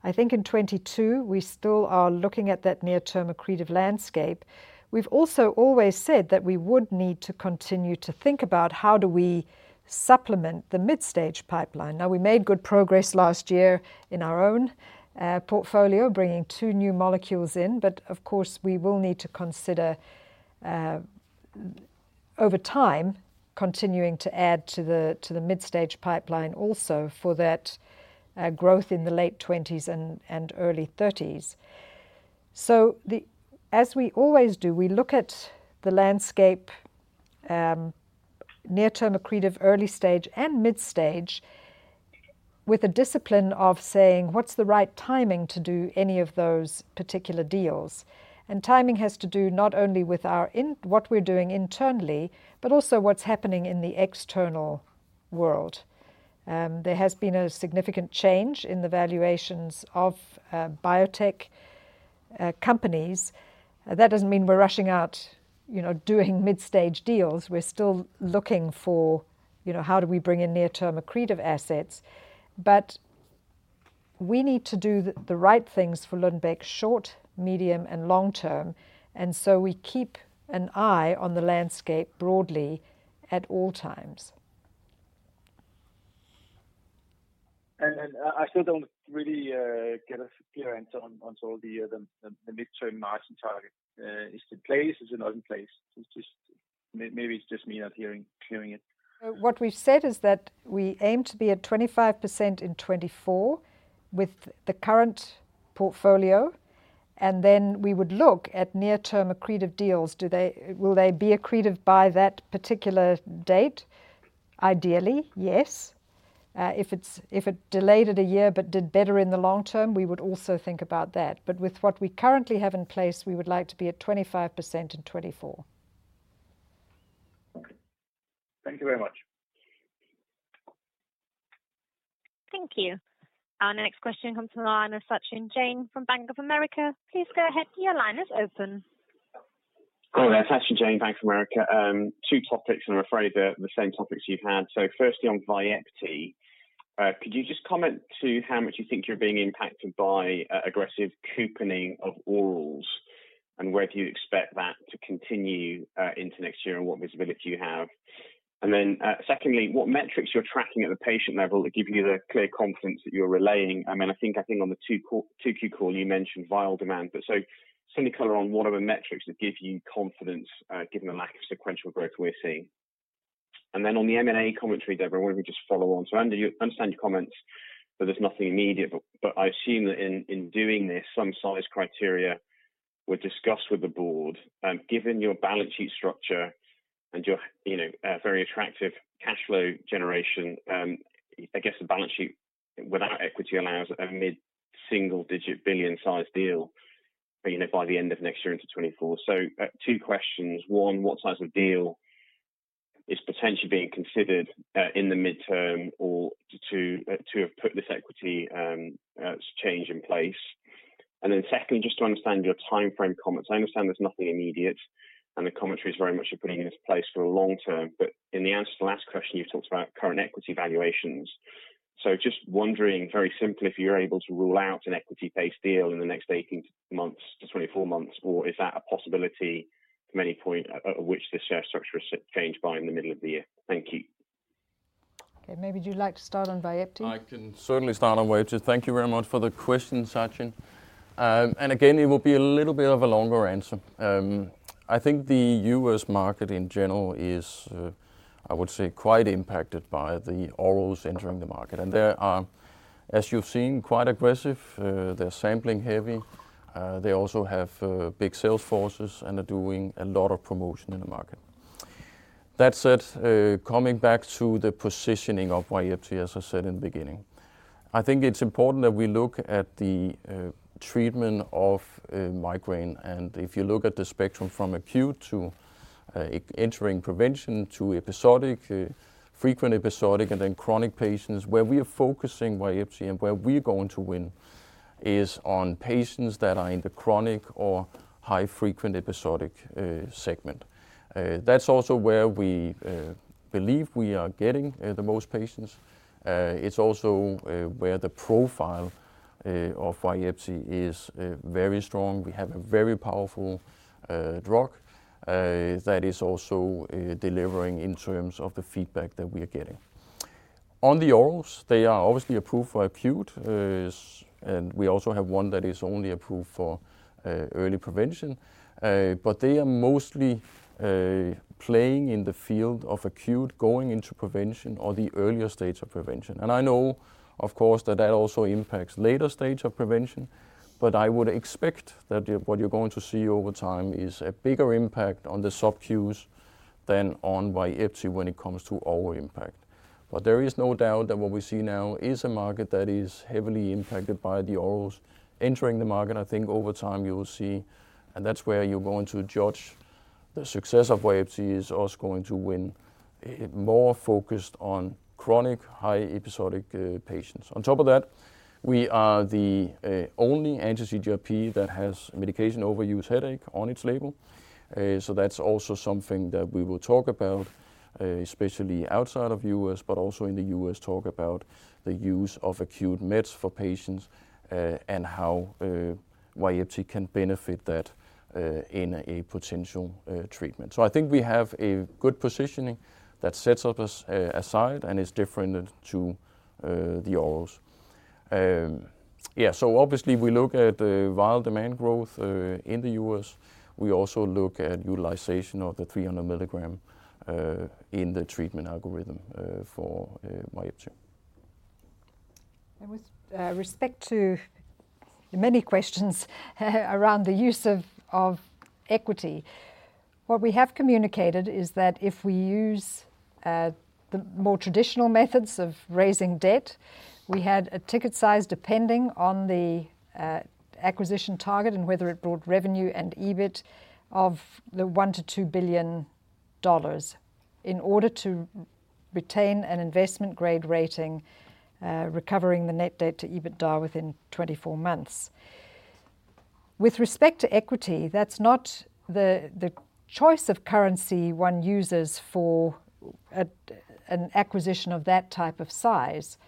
I think in 2022, we still are looking at that near-term accretive landscape. We've also always said that we would need to continue to think about how do we supplement the mid-stage pipeline. We made good progress last year in our own portfolio, bringing two new molecules in. Of course, we will need to consider over time continuing to add to the mid-stage pipeline also for that growth in the late twenties and early thirties. As we always do, we look at the landscape, near-term accretive early stage and mid-stage with a discipline of saying, "What's the right timing to do any of those particular deals?" Timing has to do not only with what we're doing internally, but also what's happening in the external world. There has been a significant change in the valuations of biotech companies. That doesn't mean we're rushing out, you know, doing mid-stage deals. We're still looking for, you know, how do we bring in near-term accretive assets. We need to do the right things for Lundbeck short, medium, and long term, so we keep an eye on the landscape broadly at all times. I still don't really get clarity on sort of the mid-term margin target. Is it in place? Is it not in place? It's just maybe it's just me not hearing it. What we've said is that we aim to be at 25% in 2024 with the current portfolio, and then we would look at near-term accretive deals. Will they be accretive by that particular date? Ideally, yes. If it delayed it a year but did better in the long term, we would also think about that. But with what we currently have in place, we would like to be at 25% in 2024. Okay. Thank you very much. Thank you. Our next question comes from the line of Sachin Jain from Bank of America. Please go ahead, your line is open. Hello there. Sachin Jain, Bank of America. Two topics, and I'm afraid they're the same topics you've had. Firstly, on Vyepti, could you just comment on how much you think you're being impacted by aggressive couponing of orals, and where do you expect that to continue into next year, and what visibility you have? Then, secondly, what metrics you're tracking at the patient level that give you the clear confidence that you're relaying? I mean, I think on the 2Q call you mentioned vial demand, but just any color on what are the metrics that give you confidence, given the lack of sequential growth we're seeing. Then on the M&A commentary, Deborah, why don't we just follow on? I understand your comments that there's nothing immediate, but I assume that in doing this, some size criteria were discussed with the board. Given your balance sheet structure and your very attractive cash flow generation, I guess the balance sheet without equity allows a mid-single digit billion size deal by the end of next year into 2024. Two questions. One, what size of deal is potentially being considered in the midterm or to have put this equity change in place? And then secondly, just to understand your timeframe comments. I understand there's nothing immediate, and the commentary is very much you're putting this in place for the long term. But in the answer to the last question, you've talked about current equity valuations. Just wondering very simply if you're able to rule out an equity-based deal in the next 18-24 months, or is that a possibility to any point at which this share structure is changed beginning in the middle of the year? Thank you. Okay, maybe you'd like to start on Vyepti. I can certainly start on Vyepti. Thank you very much for the question, Sachin. Again, it will be a little bit of a longer answer. I think the U.S. market in general is, I would say quite impacted by the orals entering the market. They are, as you've seen, quite aggressive. They're sampling heavy. They also have big sales forces and are doing a lot of promotion in the market. That said, coming back to the positioning of Vyepti, as I said in the beginning. I think it's important that we look at the treatment of migraine. If you look at the spectrum from acute to entering prevention to episodic, frequent episodic, and then chronic patients, where we are focusing Vyepti and where we're going to win is on patients that are in the chronic or high frequent episodic segment. That's also where we believe we are getting the most patients. It's also where the profile of Vyepti is very strong. We have a very powerful drug that is also delivering in terms of the feedback that we are getting. On the orals, they are obviously approved for acute and we also have one that is only approved for early prevention. They are mostly playing in the field of acute going into prevention or the earlier stage of prevention. I know, of course, that that also impacts later stage of prevention, but I would expect that what you're going to see over time is a bigger impact on the sub-Qs than on Vyepti when it comes to oral impact. There is no doubt that what we see now is a market that is heavily impacted by the orals entering the market. I think over time you will see, and that's where you're going to judge the success of Vyepti is also going to win, more focused on chronic high episodic patients. On top of that, we are the only anti-CGRP that has medication overuse headache on its label. That's also something that we will talk about, especially outside of U.S., but also in the U.S. talk about the use of acute meds for patients, and how Vyepti can benefit that in a potential treatment. I think we have a good positioning that sets us aside and is different to the orals. Obviously, we look at vial demand growth in the U.S. We also look at utilization of the 300 mg in the treatment algorithm for Vyepti. With respect to the many questions around the use of equity. What we have communicated is that if we use the more traditional methods of raising debt, we had a ticket size depending on the acquisition target and whether it brought revenue and EBIT of $1 billion-$2 billion in order to retain an investment grade rating, recovering the net debt to EBITDA within 24 months. With respect to equity, that's not the choice of currency one uses for an acquisition of that type of size.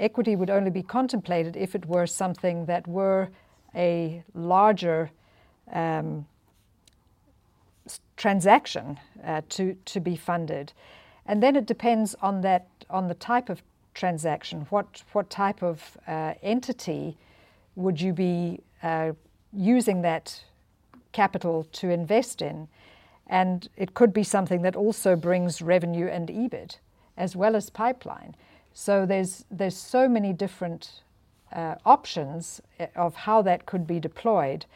Equity would only be contemplated if it were something that were a larger transaction to be funded. Then it depends on that on the type of transaction, what type of entity would you be using that capital to invest in? It could be something that also brings revenue and EBIT as well as pipeline. There's so many different options of how that could be deployed.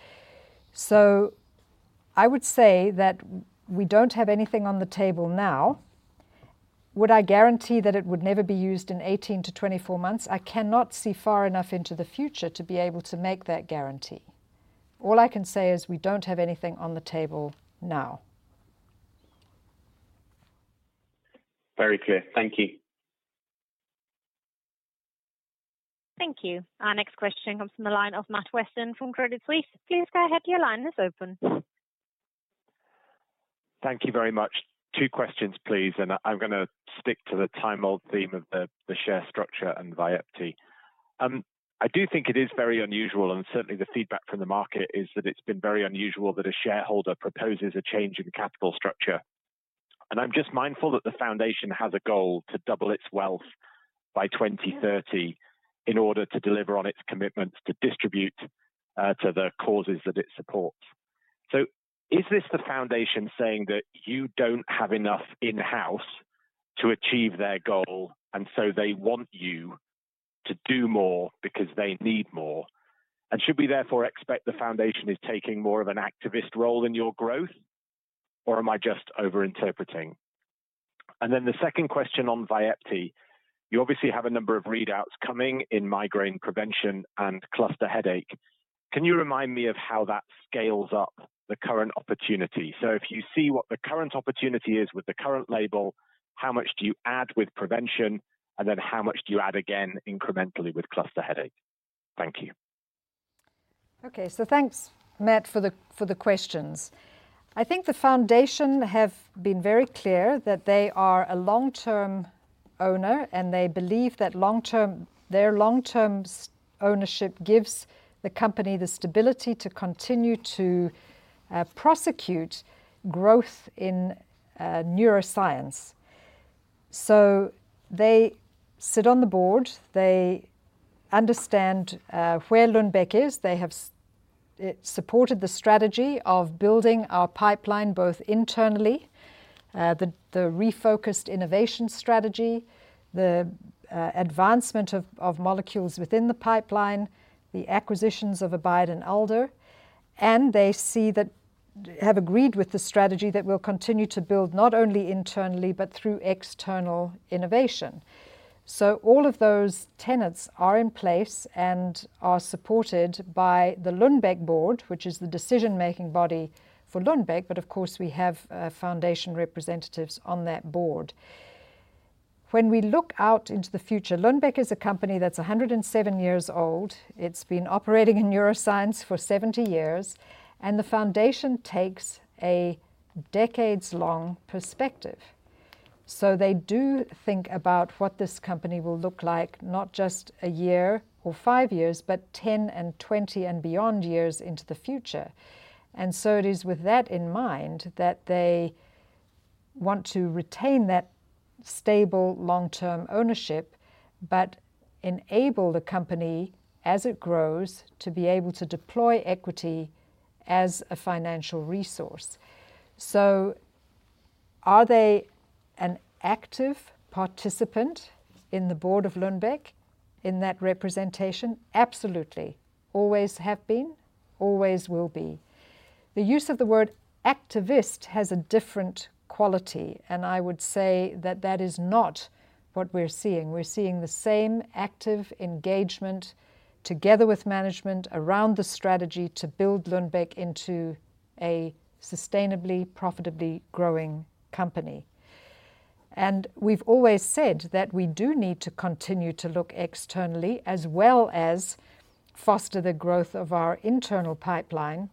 I would say that we don't have anything on the table now. Would I guarantee that it would never be used in 18-24 months? I cannot see far enough into the future to be able to make that guarantee. All I can say is we don't have anything on the table now. Very clear. Thank you. Thank you. Our next question comes from the line of Matt Weston from Credit Suisse. Please go ahead. Your line is open. Thank you very much. Two questions, please. I'm gonna stick to the time-old theme of the share structure and Vyepti. I do think it is very unusual, and certainly the feedback from the market is that it's been very unusual that a shareholder proposes a change in capital structure. I'm just mindful that the foundation has a goal to double its wealth by 2030 in order to deliver on its commitments to distribute to the causes that it supports. Is this the foundation saying that you don't have enough in-house to achieve their goal, and so they want you to do more because they need more? Should we therefore expect the foundation is taking more of an activist role in your growth, or am I just overinterpreting? The second question on Vyepti, you obviously have a number of readouts coming in migraine prevention and cluster headache. Can you remind me of how that scales up the current opportunity? If you see what the current opportunity is with the current label, how much do you add with prevention, and then how much you add again incrementally with cluster headache? Thank you. Okay. Thanks, Matt, for the questions. I think the foundation have been very clear that they are a long-term owner, and they believe that long-term ownership gives the company the stability to continue to prosecute growth in neuroscience. They sit on the board, they understand where Lundbeck is. They have supported the strategy of building our pipeline both internally, the refocused innovation strategy, the advancement of molecules within the pipeline, the acquisitions of Abide and Alder, and they have agreed with the strategy that we'll continue to build not only internally but through external innovation. All of those tenets are in place and are supported by the Lundbeck board, which is the decision-making body for Lundbeck, but of course, we have foundation representatives on that board. When we look out into the future, Lundbeck is a company that's 107 years old. It's been operating in neuroscience for 70 years, and the foundation takes a decades-long perspective. They do think about what this company will look like, not just a year or five years, but 10 and 20 and beyond years into the future. It is with that in mind that they want to retain that stable long-term ownership, but enable the company as it grows to be able to deploy equity as a financial resource. Are they an active participant in the board of Lundbeck in that representation? Absolutely. Always have been, always will be. The use of the word activist has a different quality, and I would say that that is not what we're seeing. We're seeing the same active engagement together with management around the strategy to build Lundbeck into a sustainably, profitably growing company. We've always said that we do need to continue to look externally as well as foster the growth of our internal pipeline.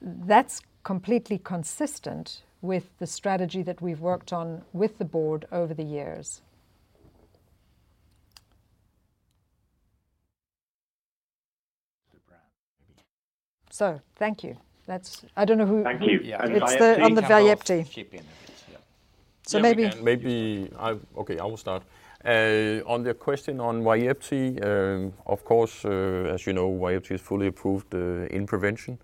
That's completely consistent with the strategy that we've worked on with the board over the years. Thank you. Thank you. Vyepti It's on the Vyepti. [chip in], yeah. Maybe. On the question on Vyepti, of course, as you know, Vyepti is fully approved in prevention.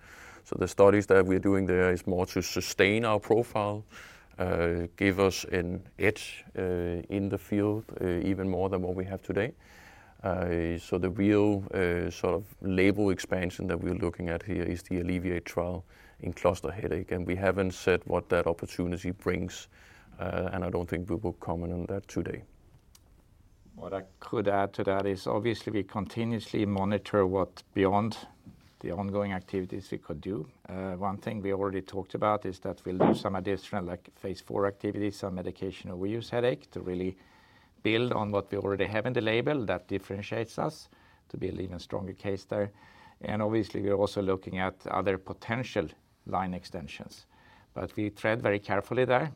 The studies that we're doing there is more to sustain our profile, give us an edge in the field, even more than what we have today. The real sort of label expansion that we're looking at here is the ALLEVIATE trial in cluster headache, and we haven't said what that opportunity brings, and I don't think we will comment on that today. What I could add to that is obviously we continuously monitor what beyond the ongoing activities we could do. One thing we already talked about is that we'll do some additional like phase IV activities on medication overuse headache to really build on what we already have in the label that differentiates us to build even stronger case there. Obviously, we're also looking at other potential line extensions. We tread very carefully there.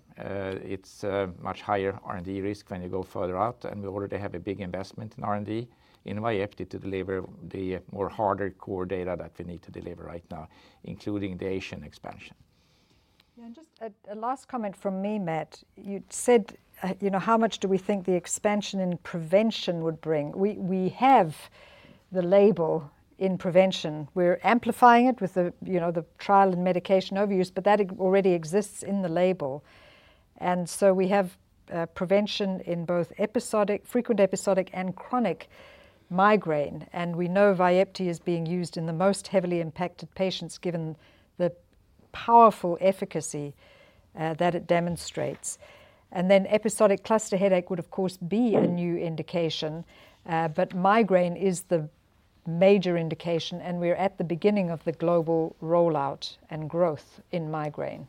It's a much higher R&D risk when you go further out, and we already have a big investment in R&D in Vyepti to deliver the more harder core data that we need to deliver right now, including the Asian expansion. Yeah. Just a last comment from me, Matt. You said, you know, how much do we think the expansion in prevention would bring. We have the label in prevention. We're amplifying it with you know, the trial and medication overuse, but that already exists in the label. We have prevention in both episodic, frequent episodic and chronic migraine, and we know Vyepti is being used in the most heavily impacted patients given the powerful efficacy that it demonstrates. Then episodic cluster headache would of course be a new indication, but migraine is the major indication, and we're at the beginning of the global rollout and growth in migraine.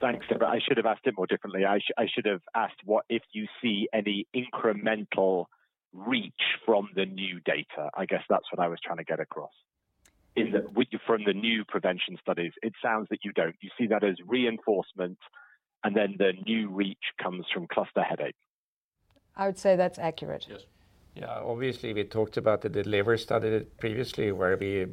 Thanks, Deborah. I should have asked it more differently. I should have asked what if you see any incremental reach from the new data. I guess that's what I was trying to get across. With the new prevention studies, it sounds that you don't. You see that as reinforcement, and then the new reach comes from cluster headache. I would say that's accurate. Yes. Yeah. Obviously, we talked about the DELIVER study previously, where we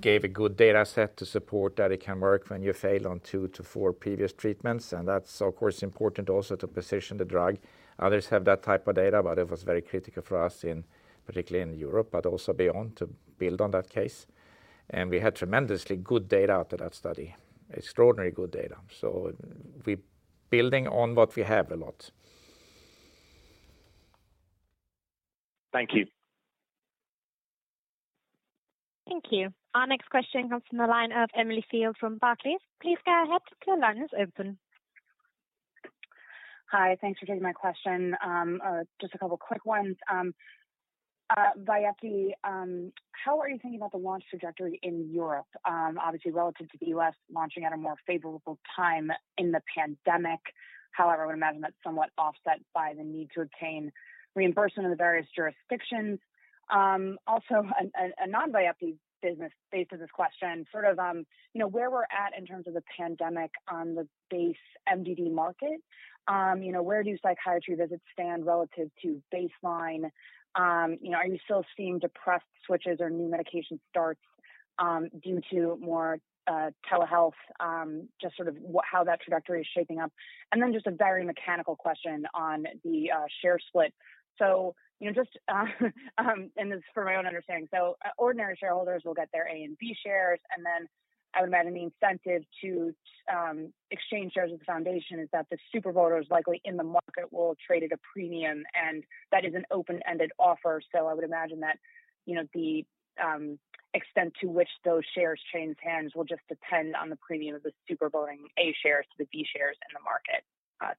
gave a good data set to support that it can work when you fail on two to four previous treatments, and that's of course important also to position the drug. Others have that type of data, but it was very critical for us in, particularly in Europe, but also beyond to build on that case. We had tremendously good data out of that study. Extraordinary good data. We're building on what we have a lot. Thank you. Thank you. Our next question comes from the line of Emily Field from Barclays. Please go ahead. Your line is open. Hi. Thanks for taking my question. Just a couple quick ones. Vyepti, how are you thinking about the launch trajectory in Europe? Obviously relative to the U.S. launching at a more favorable time in the pandemic. However, I would imagine that's somewhat offset by the need to obtain reimbursement in the various jurisdictions. Also a non-Vyepti business basis question, sort of, you know, where we're at in terms of the pandemic on the base MDD market. You know, where do psychiatry visits stand relative to baseline? You know, are you still seeing depressed switches or new medication starts, due to more telehealth? Just sort of how that trajectory is shaping up. Just a very mechanical question on the share split. You know, just, and this is for my own understanding. Ordinary shareholders will get their A- and B-shares, and then I would imagine the incentive to exchange shares with the foundation is that the super voting A-shares likely in the market will trade at a premium, and that is an open-ended offer. I would imagine that, you know, the extent to which those shares change hands will just depend on the premium of the super voting A-shares to the B-shares in the market.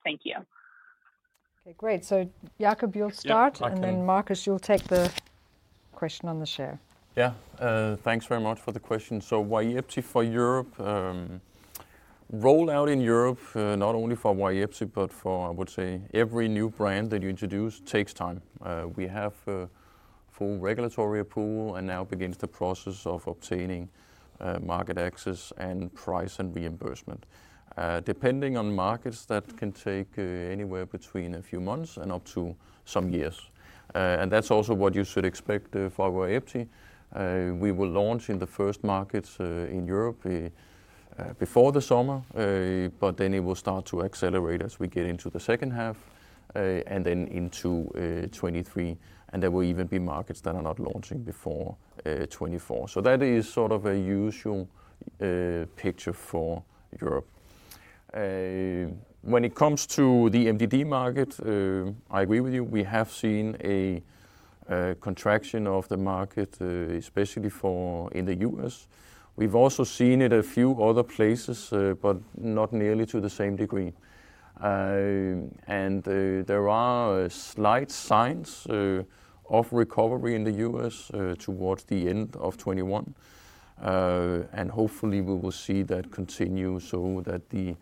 Thank you. Okay, great. Jacob, you'll start. Yeah, I can. Markus, you'll take the question on the share. Yeah. Thanks very much for the question. Vyepti for Europe rollout in Europe, not only for Vyepti but for, I would say, every new brand that you introduce takes time. We have full regulatory approval and now begins the process of obtaining market access and price and reimbursement. Depending on markets that can take anywhere between a few months and up to some years. That's also what you should expect for Vyepti. We will launch in the first markets in Europe before the summer. Then it will start to accelerate as we get into the second half, and then into 2023, and there will even be markets that are not launching before 2024. That is sort of a usual picture for Europe. When it comes to the MDD market, I agree with you. We have seen a contraction of the market, especially in the U.S. We've also seen it a few other places, but not nearly to the same degree. There are slight signs of recovery in the U.S., toward the end of 2021. Hopefully, we will see that continue so that the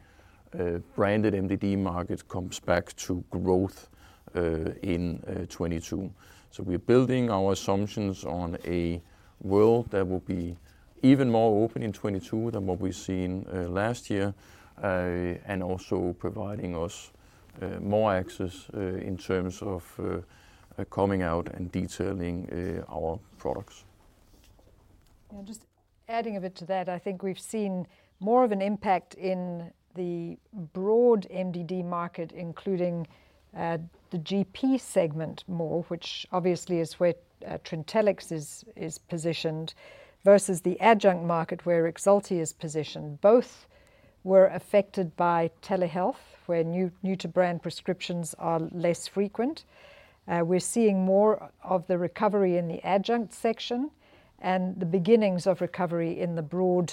branded MDD market comes back to growth in 2022. We're building our assumptions on a world that will be even more open in 2022 than what we've seen last year, and also providing us more access in terms of coming out and detailing our products. Just adding a bit to that, I think we've seen more of an impact in the broad MDD market, including the GP segment more, which obviously is where Trintellix is positioned versus the adjunct market where Rexulti is positioned. Both were affected by telehealth, where new to brand prescriptions are less frequent. We're seeing more of the recovery in the adjunct section and the beginnings of recovery in the broad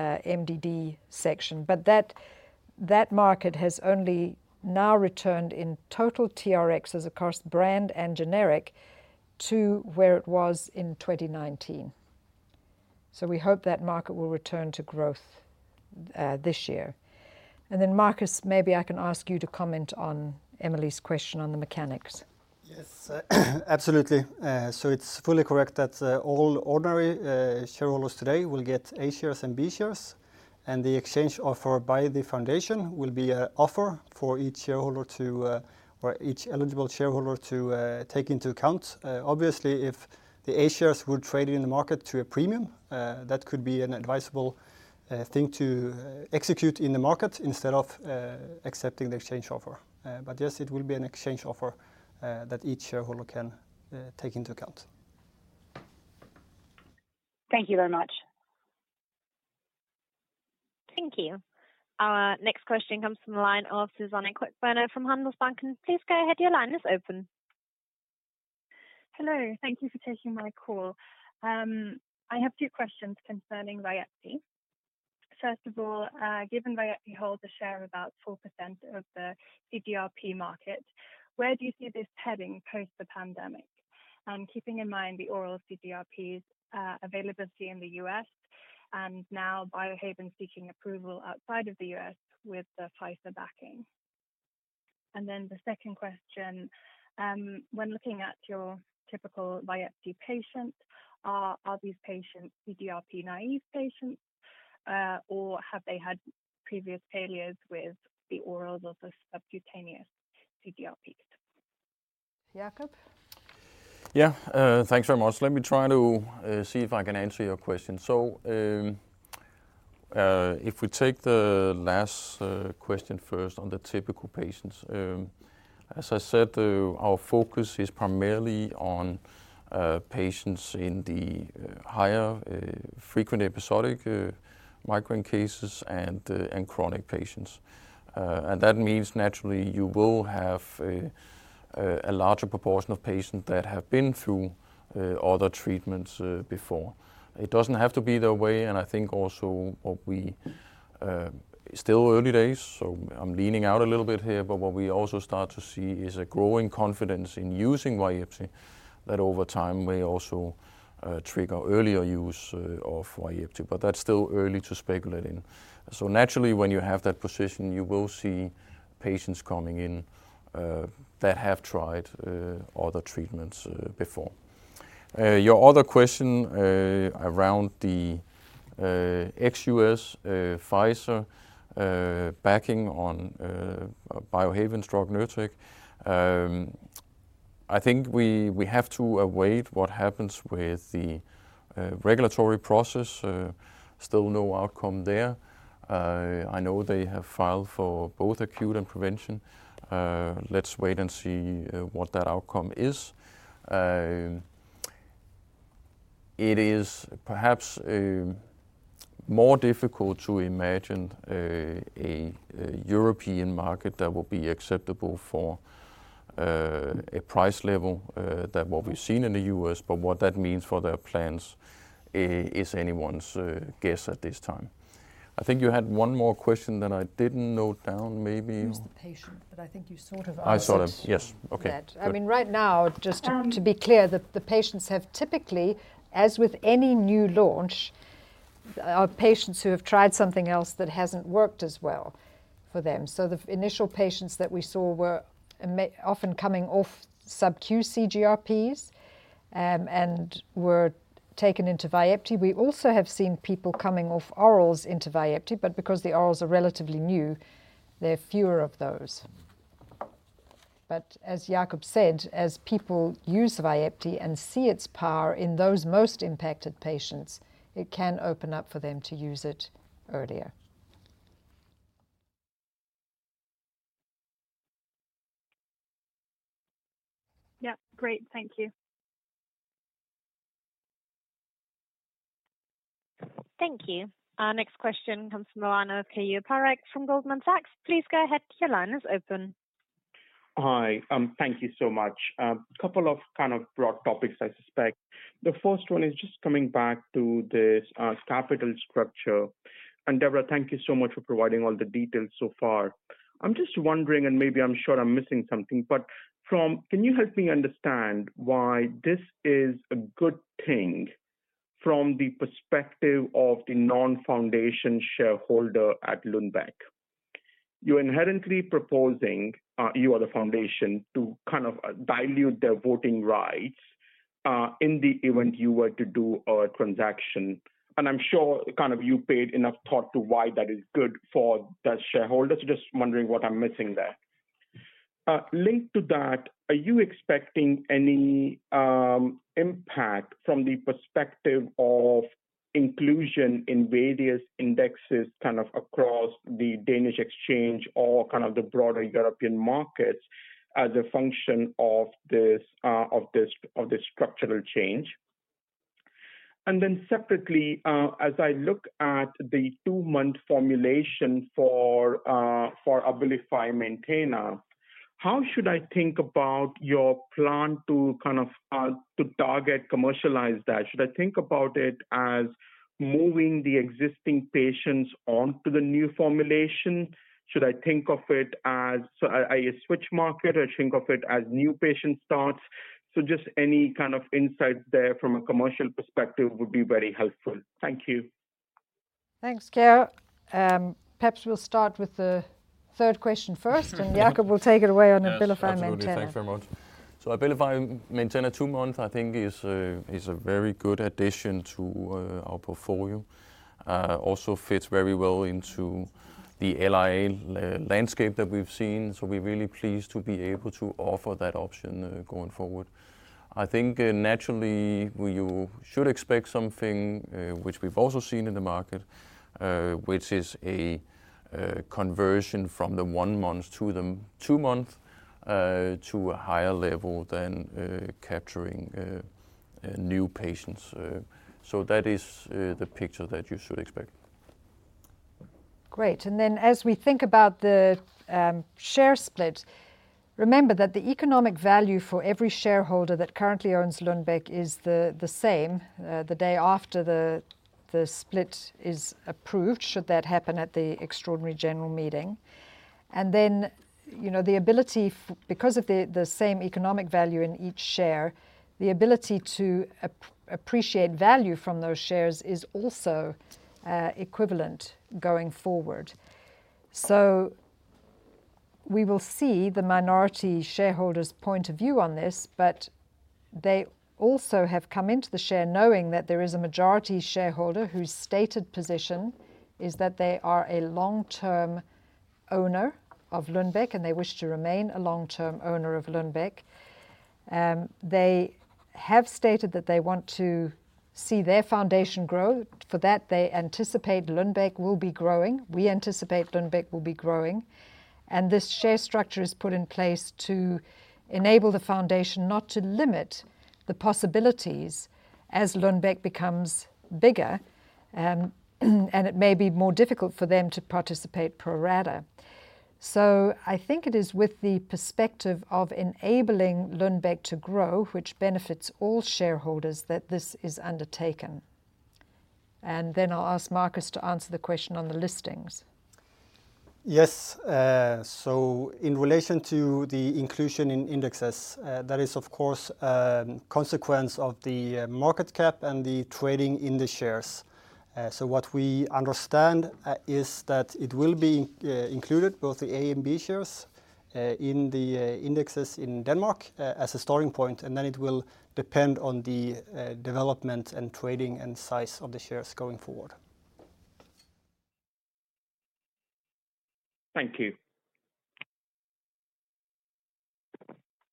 MDD section. That market has only now returned in total TRxs across brand and generic to where it was in 2019. We hope that market will return to growth this year. Markus, maybe I can ask you to comment on Emily's question on the mechanics. Yes, absolutely. It's fully correct that all ordinary shareholders today will get A-shares and B-shares, and the exchange offer by the foundation will be an offer for each shareholder to, or each eligible shareholder to, take into account. Obviously, if the A-shares were traded in the market to a premium, that could be an advisable thing to execute in the market instead of accepting the exchange offer. Yes, it will be an exchange offer that each shareholder can take into account. Thank you very much. Thank you. Our next question comes from the line of Susanne Kirk from Handelsbanken. Please go ahead. Your line is open. Hello. Thank you for taking my call. I have two questions concerning Vyepti. First of all, given Vyepti holds a share of about 4% of the CGRP market, where do you see this heading post the pandemic? Keeping in mind the oral CGRPs availability in the U.S. and now Biohaven seeking approval outside of the U.S. with the Pfizer backing. The second question, when looking at your typical Vyepti patient, are these patients CGRP naive patients, or have they had previous failures with the orals of the subcutaneous CGRPs? Jacob? Yeah, thanks very much. Let me try to see if I can answer your question. If we take the last question first on the typical patients. As I said, our focus is primarily on patients in the higher frequent episodic migraine cases and chronic patients. That means naturally you will have a larger proportion of patients that have been through other treatments before. It doesn't have to be that way, and I think also, still early days, so I'm leaning out a little bit here, but what we also start to see is a growing confidence in using Vyepti that over time may also trigger earlier use of Vyepti. That's still early to speculate in. Naturally, when you have that position, you will see patients coming in that have tried other treatments before. Your other question around the ex-U.S. Pfizer backing on Biohaven's drug Nurtec. I think we have to await what happens with the regulatory process. Still no outcome there. I know they have filed for both acute and prevention. Let's wait and see what that outcome is. It is perhaps more difficult to imagine a European market that will be acceptable for a price level than what we've seen in the U.S., but what that means for their plans is anyone's guess at this time. I think you had one more question that I didn't note down, maybe. It was the patient, but I think you sort of answered. Yes. Okay. I mean, right now, just to be clear, the patients have typically, as with any new launch, are patients who have tried something else that hasn't worked as well for them. The initial patients that we saw were often coming off subQ CGRPs and were taken into Vyepti. We also have seen people coming off orals into Vyepti, but because the orals are relatively new, there are fewer of those. As Jacob said, as people use Vyepti and see its power in those most impacted patients, it can open up for them to use it earlier. Yeah, great. Thank you. Thank you. Our next question comes from from Goldman Sachs. Please go ahead. Your line is open. Hi. Thank you so much. A couple of kind of broad topics, I suspect. The first one is just coming back to this, capital structure. Deborah, thank you so much for providing all the details so far. I'm just wondering, and maybe I'm sure I'm missing something, but can you help me understand why this is a good thing from the perspective of the non-foundation shareholder at Lundbeck? You're inherently proposing, you are the foundation, to kind of dilute their voting rights, in the event you were to do a transaction. I'm sure kind of you paid enough thought to why that is good for the shareholders. Just wondering what I'm missing there. Linked to that, are you expecting any impact from the perspective of inclusion in various indexes kind of across the Danish exchange or kind of the broader European markets as a function of this structural change? Separately, as I look at the two-month formulation for Abilify Maintena, how should I think about your plan to kind of commercialize that? Should I think about it as moving the existing patients onto the new formulation? Should I think of it as a switch market or should think of it as new patient starts? Just any kind of insight there from a commercial perspective would be very helpful. Thank you. Thanks, [Carra]. Perhaps we'll start with the third question first, and Jacob will take it away on Abilify Maintena. Yes, absolutely. Thanks very much. Abilify Maintena two-month, I think is a very good addition to our portfolio. Also fits very well into the LOE landscape that we've seen, so we're really pleased to be able to offer that option going forward. I think, naturally you should expect something which we've also seen in the market, which is a conversion from the one-month to the two-month to a higher level than capturing new patients. That is the picture that you should expect. Great. As we think about the share split, remember that the economic value for every shareholder that currently owns Lundbeck is the same the day after the split is approved, should that happen at the extraordinary general meeting. Because of the same economic value in each share, the ability to appreciate value from those shares is also equivalent going forward. We will see the minority shareholders' point of view on this, but they also have come into the share knowing that there is a majority shareholder whose stated position is that they are a long-term owner of Lundbeck, and they wish to remain a long-term owner of Lundbeck. They have stated that they want to see their foundation grow. For that, they anticipate Lundbeck will be growing. We anticipate Lundbeck will be growing. This share structure is put in place to enable the foundation not to limit the possibilities as Lundbeck becomes bigger, and it may be more difficult for them to participate pro rata. I think it is with the perspective of enabling Lundbeck to grow, which benefits all shareholders, that this is undertaken. Then I'll ask Markus to answer the question on the listings. Yes. In relation to the inclusion in indexes, that is of course a consequence of the market cap and the trading in the shares. What we understand is that it will be included both the A- and B-shares in the indexes in Denmark as a starting point, and then it will depend on the development and trading and size of the shares going forward. Thank you.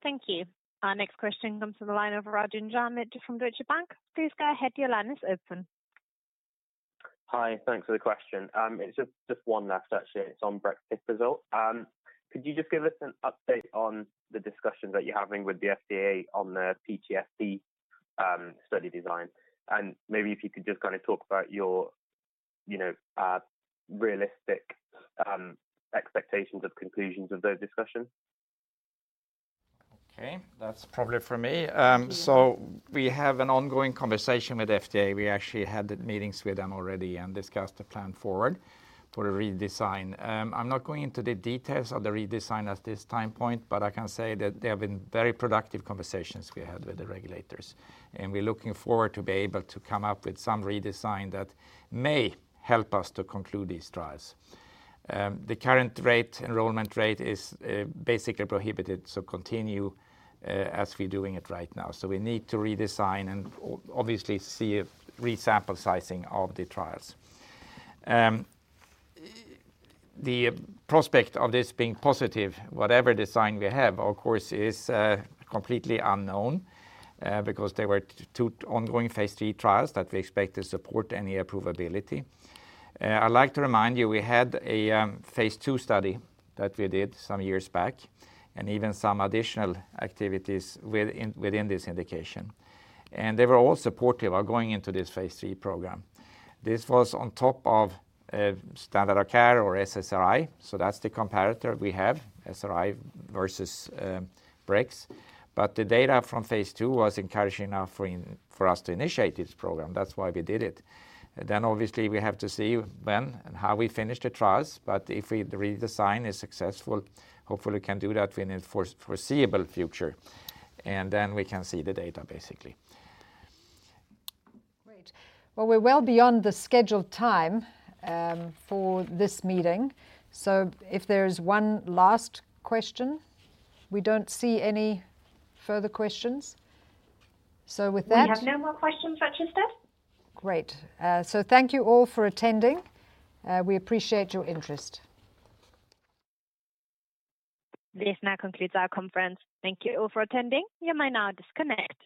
Thank you. Our next question comes from the line of Rajan [Sharma] from Deutsche Bank. Please go ahead, your line is open. Hi. Thanks for the question. It's just one last. Could you just give us an update on the discussion that you're having with the FDA on the PTSD study design? And maybe if you could just kinda talk about your, you know, realistic expectations of conclusions of those discussions. Okay. That's probably for me. We have an ongoing conversation with FDA. We actually had the meetings with them already and discussed the plan forward for a redesign. I'm not going into the details of the redesign at this time point, but I can say that they have been very productive conversations we had with the regulators, and we're looking forward to be able to come up with some redesign that may help us to conclude these trials. The current enrollment rate is basically prohibitive to continue as we're doing it right now. We need to redesign and obviously see a sample resizing of the trials. The prospect of this being positive, whatever design we have, of course, is completely unknown because there were two ongoing phase III trials that we expect to support any approvability. I like to remind you, we had a phase II study that we did some years back and even some additional activities within this indication. They were all supportive of going into this phase III program. This was on top of standard of care or SSRI. That's the comparator we have, SSRI versus brexpiprazole. The data from phase II was encouraging enough for us to initiate this program. That's why we did it. Obviously we have to see when and how we finish the trials, but if the redesign is successful, hopefully can do that in the foreseeable future. We can see the data, basically. Great. Well, we're well beyond the scheduled time for this meeting. If there's one last question, we don't see any further questions. With that. We have no more questions registered. Great. Thank you all for attending. We appreciate your interest. This now concludes our conference. Thank you all for attending. You may now disconnect.